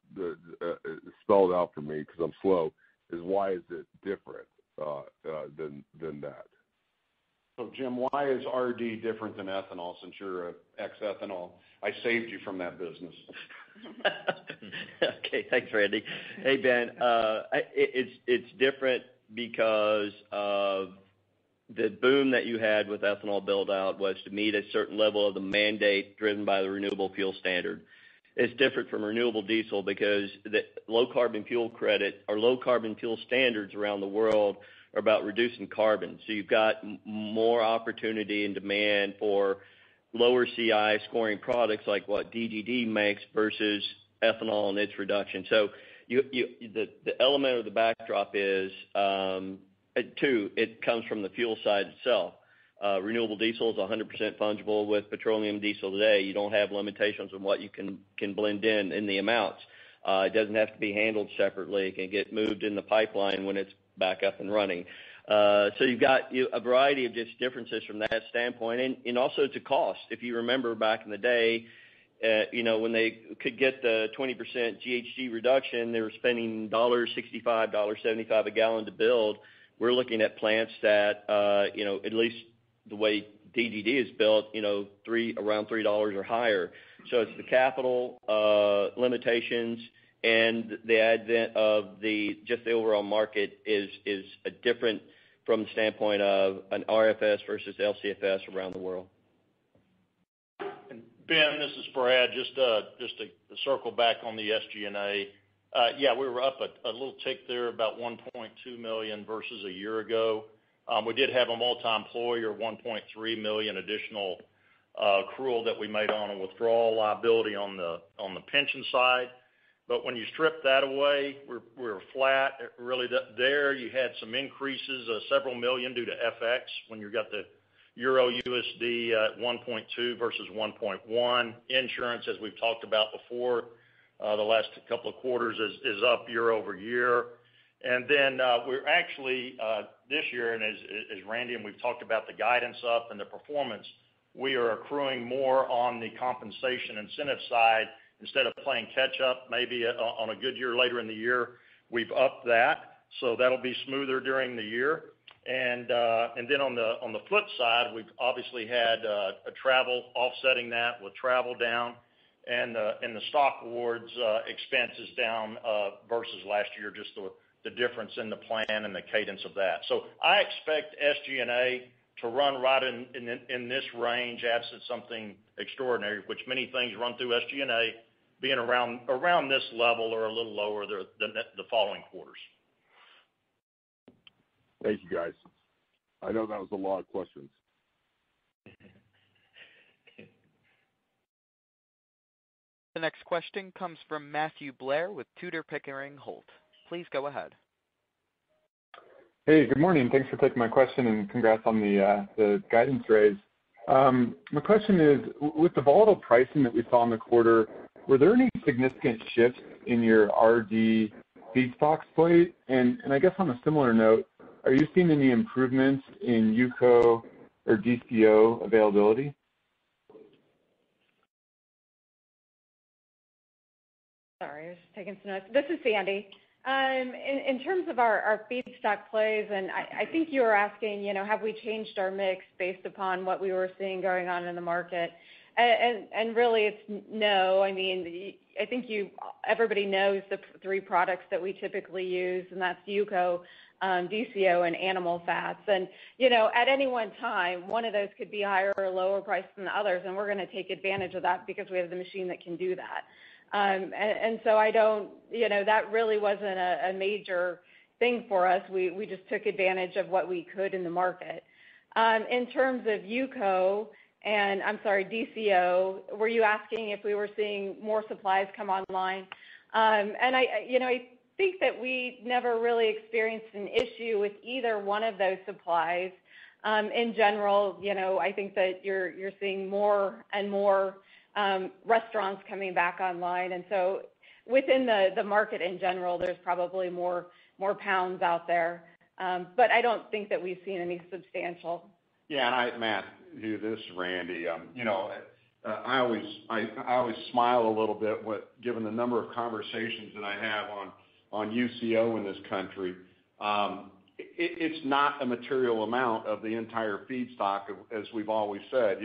spell it out for me because I'm slow, is why is it different than that? Jim, why is RD different than ethanol since you're an ex-ethanol? I saved you from that business. Okay. Thanks, Randy. Hey, Ben. It's different because of the boom that you had with ethanol build-out was to meet a certain level of the mandate driven by the Renewable Fuel Standard. It's different from renewable diesel because the low carbon fuel credit or Low-Carbon Fuel Standards around the world are about reducing carbon. You've got more opportunity and demand for lower CI scoring products like what DGD makes versus ethanol and its reduction. The element of the backdrop is, two, it comes from the fuel side itself. Renewable diesel is 100% fungible with petroleum diesel today. You don't have limitations on what you can blend in the amounts. It doesn't have to be handled separately. It can get moved in the pipeline when it's back up and running. You've got a variety of just differences from that standpoint. Also to cost. If you remember back in the day, when they could get the 20% GHG reduction, they were spending $1.65, $1.75 a gallon to build. We're looking at plants that, at least the way DGD is built, around $3 or higher. It's the capital limitations and the advent of just the overall market is different from the standpoint of an RFS versus LCFS around the world. Ben, this is Brad, just to circle back on the SG&A. Yeah, we were up a little tick there, about $1.2 million versus a year ago. We did have a multi-employer, $1.3 million additional accrual that we made on a withdrawal liability on the pension side. When you strip that away, we're flat really there. You had some increases of $several million due to FX, when you got the Euro-USD at 1.2 versus 1.1. Insurance, as we've talked about before, the last couple of quarters is up year-over-year. Then we're actually, this year, as Randy, and we've talked about the guidance up and the performance, we are accruing more on the compensation incentive side instead of playing catch up maybe on a good year later in the year, we've upped that. That'll be smoother during the year. Then on the flip side, we've obviously had a travel offsetting that with travel down and the stock awards expenses down versus last year, just the difference in the plan and the cadence of that. I expect SG&A to run right in this range, absent something extraordinary, which many things run through SG&A, being around this level or a little lower the following quarters. Thank you, guys. I know that was a lot of questions. The next question comes from Matthew Blair with Tudor, Pickering, Holt. Please go ahead. Hey, good morning. Thanks for taking my question and congrats on the guidance raise. My question is, with the volatile pricing that we saw in the quarter, were there any significant shifts in your RD feedstock plays? I guess on a similar note, are you seeing any improvements in UCO or DCO availability? Sorry, I was just taking some notes. This is Sandy. In terms of our feedstock plays, I think you were asking, have we changed our mix based upon what we were seeing going on in the market? Really, it's no. I think everybody knows the three products that we typically use, and that's UCO, DCO, and animal fats. At any one time, one of those could be higher or lower priced than the others, and we're going to take advantage of that because we have the machine that can do that. So that really wasn't a major thing for us. We just took advantage of what we could in the market. In terms of UCO, and I'm sorry, DCO, were you asking if we were seeing more supplies come online? I think that we never really experienced an issue with either one of those supplies. In general, I think that you're seeing more and more restaurants coming back online. Within the market in general, there's probably more pounds out there. Yeah, Matt, this is Randy. I always smile a little bit given the number of conversations that I have on UCO in this country. It's not a material amount of the entire feedstock, as we've always said.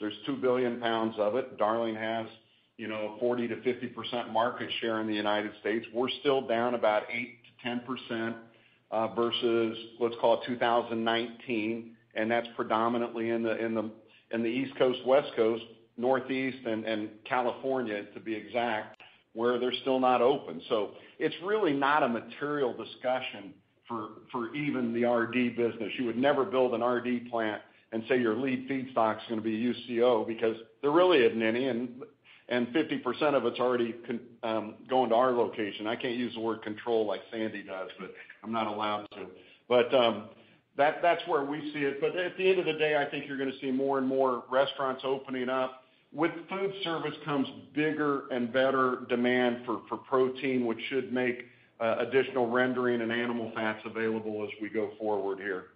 There's 2 billion Ib of it. Darling has 40%-50% market share in the U.S. We're still down about 8%-10%, versus let's call it 2019. That's predominantly in the East Coast, West Coast, Northeast, and California, to be exact, where they're still not open. It's really not a material discussion for even the RD business. You would never build an RD plant and say your lead feedstock is going to be UCO because there really isn't any. 50% of it's already going to our location. I can't use the word control like Sandy does. I'm not allowed to. That's where we see it. At the end of the day, I think you're going to see more and more restaurants opening up. With food service comes bigger and better demand for protein, which should make additional rendering and animal fats available as we go forward here.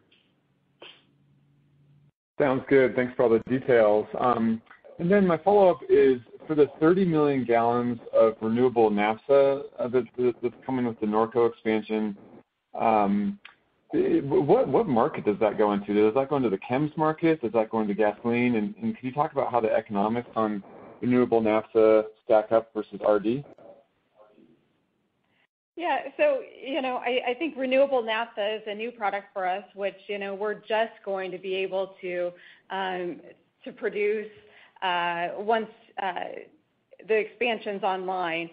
Sounds good. Thanks for all the details. My follow-up is, for the 30 million gal of renewable naphtha that's coming with the Norco expansion, what market does that go into? Does that go into the chems market? Does that go into gasoline? Can you talk about how the economics on renewable naphtha stack up versus RD? Yeah. I think renewable naphtha is a new product for us, which we're just going to be able to produce once the expansion's online.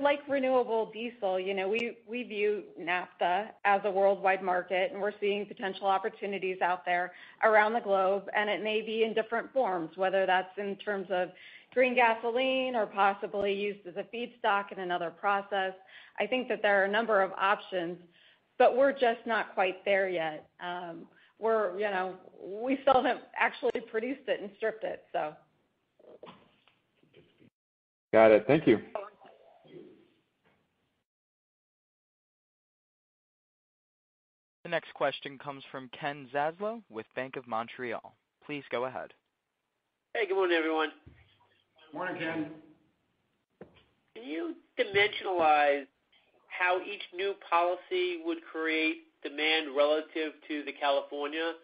Like renewable diesel, we view naphtha as a worldwide market, and we're seeing potential opportunities out there around the globe, and it may be in different forms, whether that's in terms of green gasoline or possibly used as a feedstock in another process. I think that there are a number of options. We're just not quite there yet. We still haven't actually produced it and stripped it. Got it. Thank you. The next question comes from Ken Zaslow with BMO Capital Markets. Please go ahead. Hey, good morning, everyone. Morning, Ken. Can you dimensionalize how each new policy would create demand relative to the California?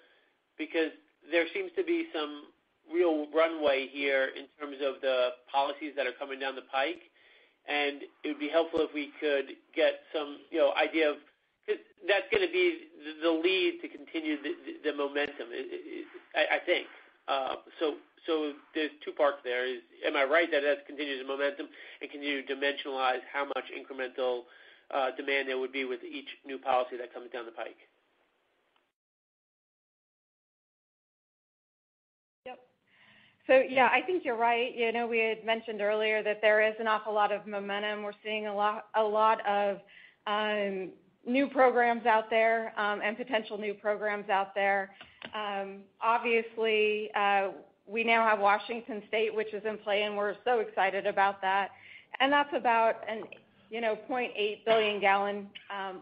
There seems to be some real runway here in terms of the policies that are coming down the pike, and it would be helpful. That's going to be the lead to continue the momentum, I think. There's two parts there. Am I right that has continued the momentum, and can you dimensionalize how much incremental demand there would be with each new policy that comes down the pike? Yep. Yeah, I think you're right. We had mentioned earlier that there is an awful lot of momentum. We're seeing a lot of new programs out there, and potential new programs out there. Obviously, we now have Washington State, which is in play, and we're so excited about that. That's about a 0.8 billion gal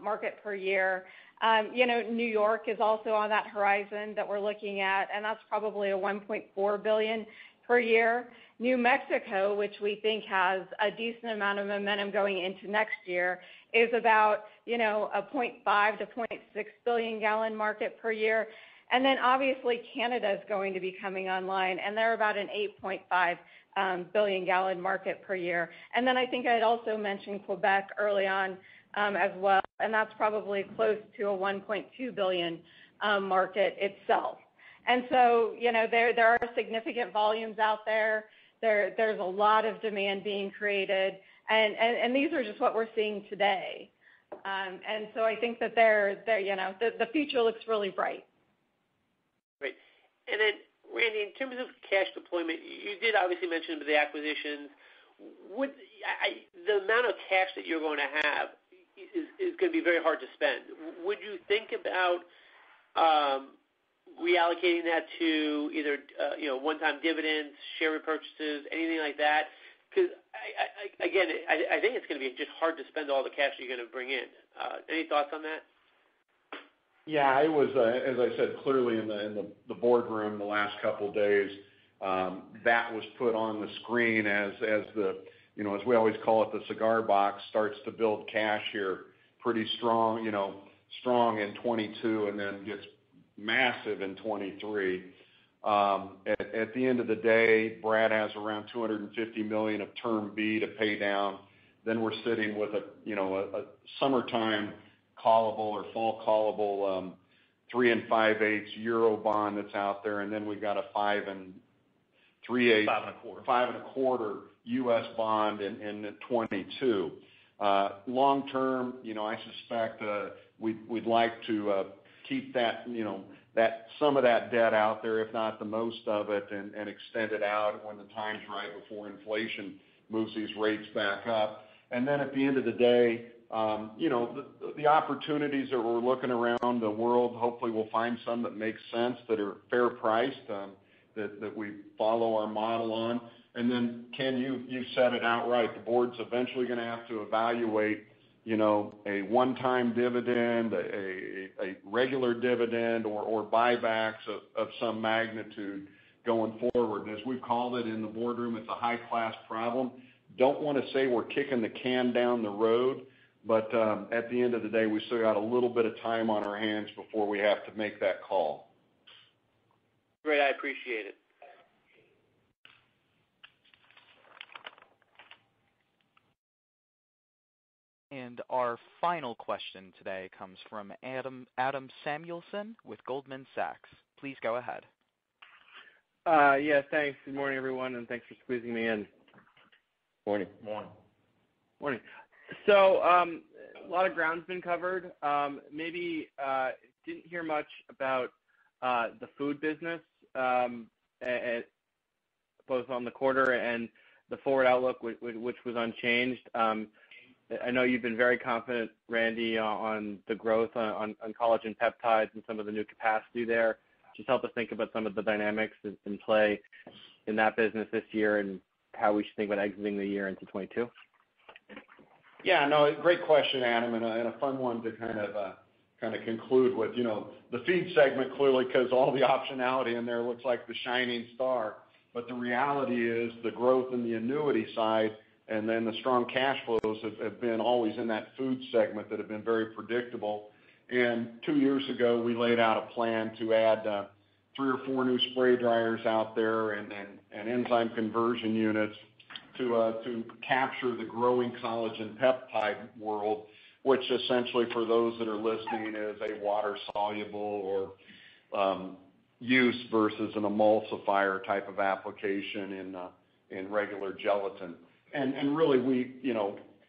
market per year. N.Y. is also on that horizon that we're looking at, and that's probably a 1.4 billion per year. New Mexico, which we think has a decent amount of momentum going into next year, is about a 0.5-0.6 billion gal market per year. Obviously Canada's going to be coming online, and they're about an 8.5 billion gal market per year. I think I'd also mentioned Quebec early on as well, and that's probably close to a 1.2 billion market itself. There are significant volumes out there. There's a lot of demand being created. These are just what we're seeing today. I think that the future looks really bright. Great. Randy, in terms of cash deployment, you did obviously mention the acquisitions. The amount of cash that you're going to have is going to be very hard to spend. Would you think about reallocating that to either one-time dividends, share repurchases, anything like that? Again, I think it's going to be just hard to spend all the cash you're going to bring in. Any thoughts on that? Yeah, I was, as I said, clearly in the boardroom the last couple of days. That was put on the screen as we always call it, the cigar box, starts to build cash here. Pretty strong in 2022, and then gets massive in 2023. At the end of the day, Brad has around $250 million of Term B to pay down. We're sitting with a summertime callable or fall callable three and five-eighths EUR bond that's out there. We've got a five and three-eighths- $5.25. Five and a quarter U.S. bond in 2022. Long term, I suspect we'd like to keep some of that debt out there, if not the most of it, and extend it out when the time's right before inflation moves these rates back up. At the end of the day, the opportunities that we're looking around the world, hopefully we'll find some that make sense, that are fair priced, that we follow our model on. Ken, you said it outright. The board's eventually going to have to evaluate a one-time dividend, a regular dividend or buybacks of some magnitude going forward. As we've called it in the boardroom, it's a high-class problem. Don't want to say we're kicking the can down the road, but at the end of the day, we still got a little bit of time on our hands before we have to make that call. Great. I appreciate it. Our final question today comes from Adam Samuelson with Goldman Sachs. Please go ahead. Yes, thanks. Good morning, everyone. Thanks for squeezing me in. Morning. Morning. Morning. A lot of ground's been covered. Maybe didn't hear much about the food business, both on the quarter and the forward outlook, which was unchanged. I know you've been very confident, Randy, on the growth on collagen peptides and some of the new capacity there. Just help us think about some of the dynamics in play in that business this year and how we should think about exiting the year into 2022. No. Great question, Adam, and a fun one to kind of conclude with. The Feed segment, clearly, because all the optionality in there looks like the shining star. The reality is the growth in the annuity side and then the strong cash flows have been always in that Food segment that have been very predictable. Two years ago, we laid out a plan to add three or four new spray dryers out there and enzyme conversion units to capture the growing collagen peptide world, which essentially, for those that are listening, is a water-soluble or use versus an emulsifier type of application in regular gelatin. Really,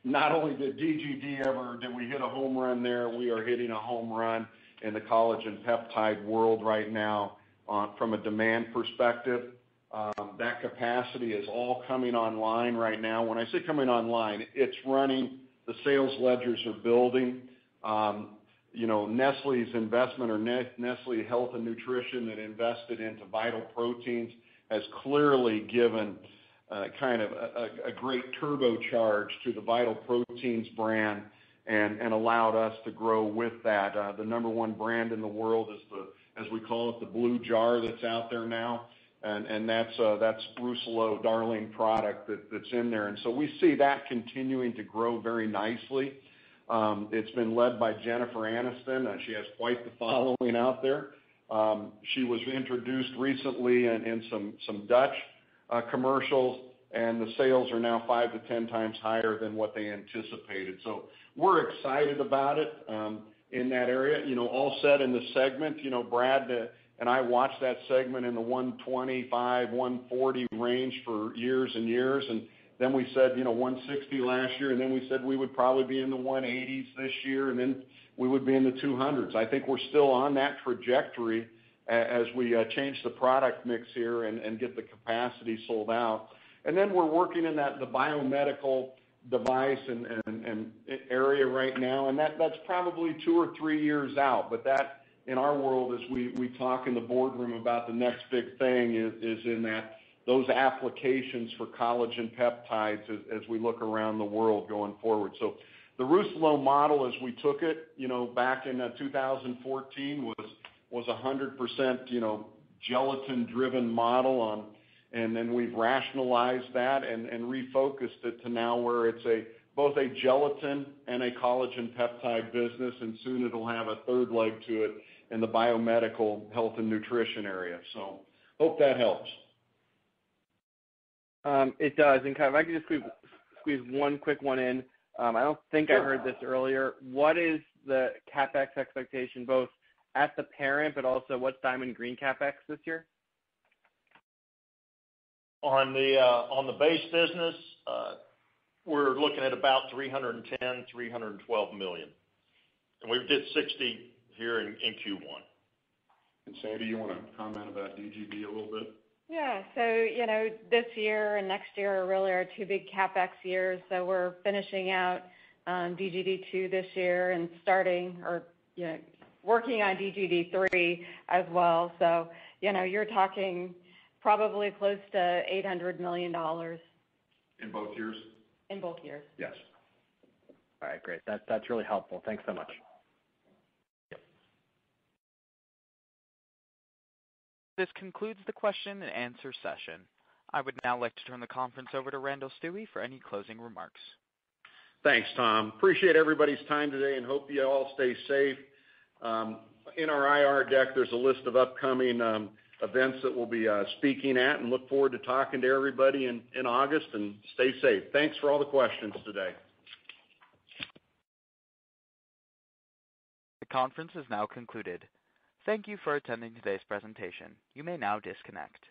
not only did DGD ever hit a home run there, we are hitting a home run in the collagen peptide world right now from a demand perspective. That capacity is all coming online right now. When I say coming online, it's running. The sales ledgers are building. Nestlé's investment or Nestlé Health Science that invested into Vital Proteins has clearly given kind of a great turbocharge to the Vital Proteins brand and allowed us to grow with that. The number one brand in the world is, as we call it, the blue jar that's out there now, and that's Rousselot Darling product that's in there. We see that continuing to grow very nicely. It's been led by Jennifer Aniston, and she has quite the following out there. She was introduced recently in some Dutch commercials and the sales are now 5-10 times higher than what they anticipated. We're excited about it in that area. All said in the segment, Brad and I watched that segment in the 125, 140 range for years and years, and then we said, 160 last year, and then we said we would probably be in the 180s this year, and then we would be in the 200s. I think we're still on that trajectory as we change the product mix here and get the capacity sold out. Then we're working in the biomedical device and area right now, and that's probably two or three years out. That, in our world, as we talk in the boardroom about the next big thing, is in those applications for Collagen Peptides as we look around the world going forward. The Rousselot model, as we took it back in 2014, was 100% gelatin-driven model. We've rationalized that and refocused it to now where it's both a gelatin and a collagen peptide business, and soon it'll have a third leg to it in the biomedical health and nutrition area. Hope that helps. It does. Kind of if I could just squeeze one quick one in. I don't think I heard this earlier. What is the CapEx expectation, both at the parent, but also what's Diamond Green CapEx this year? On the base business, we're looking at about $310 million, $312 million. We did $60 million here in Q1. Sandy, you want to comment about DGD a little bit? Yeah. This year and next year are really our two big CapEx years. We're finishing out DGD two this year and starting or working on DGD three as well. You're talking probably close to $800 million. In both years? In both years. Yes. All right, great. That is really helpful. Thanks so much. Yep. This concludes the question and answer session. I would now like to turn the conference over to Randall C. Stuewe for any closing remarks. Thanks, Tom. Appreciate everybody's time today, hope you all stay safe. In our IR deck, there's a list of upcoming events that we'll be speaking at, and look forward to talking to everybody in August, and stay safe. Thanks for all the questions today. The conference is now concluded. Thank you for attending today's presentation. You may now disconnect.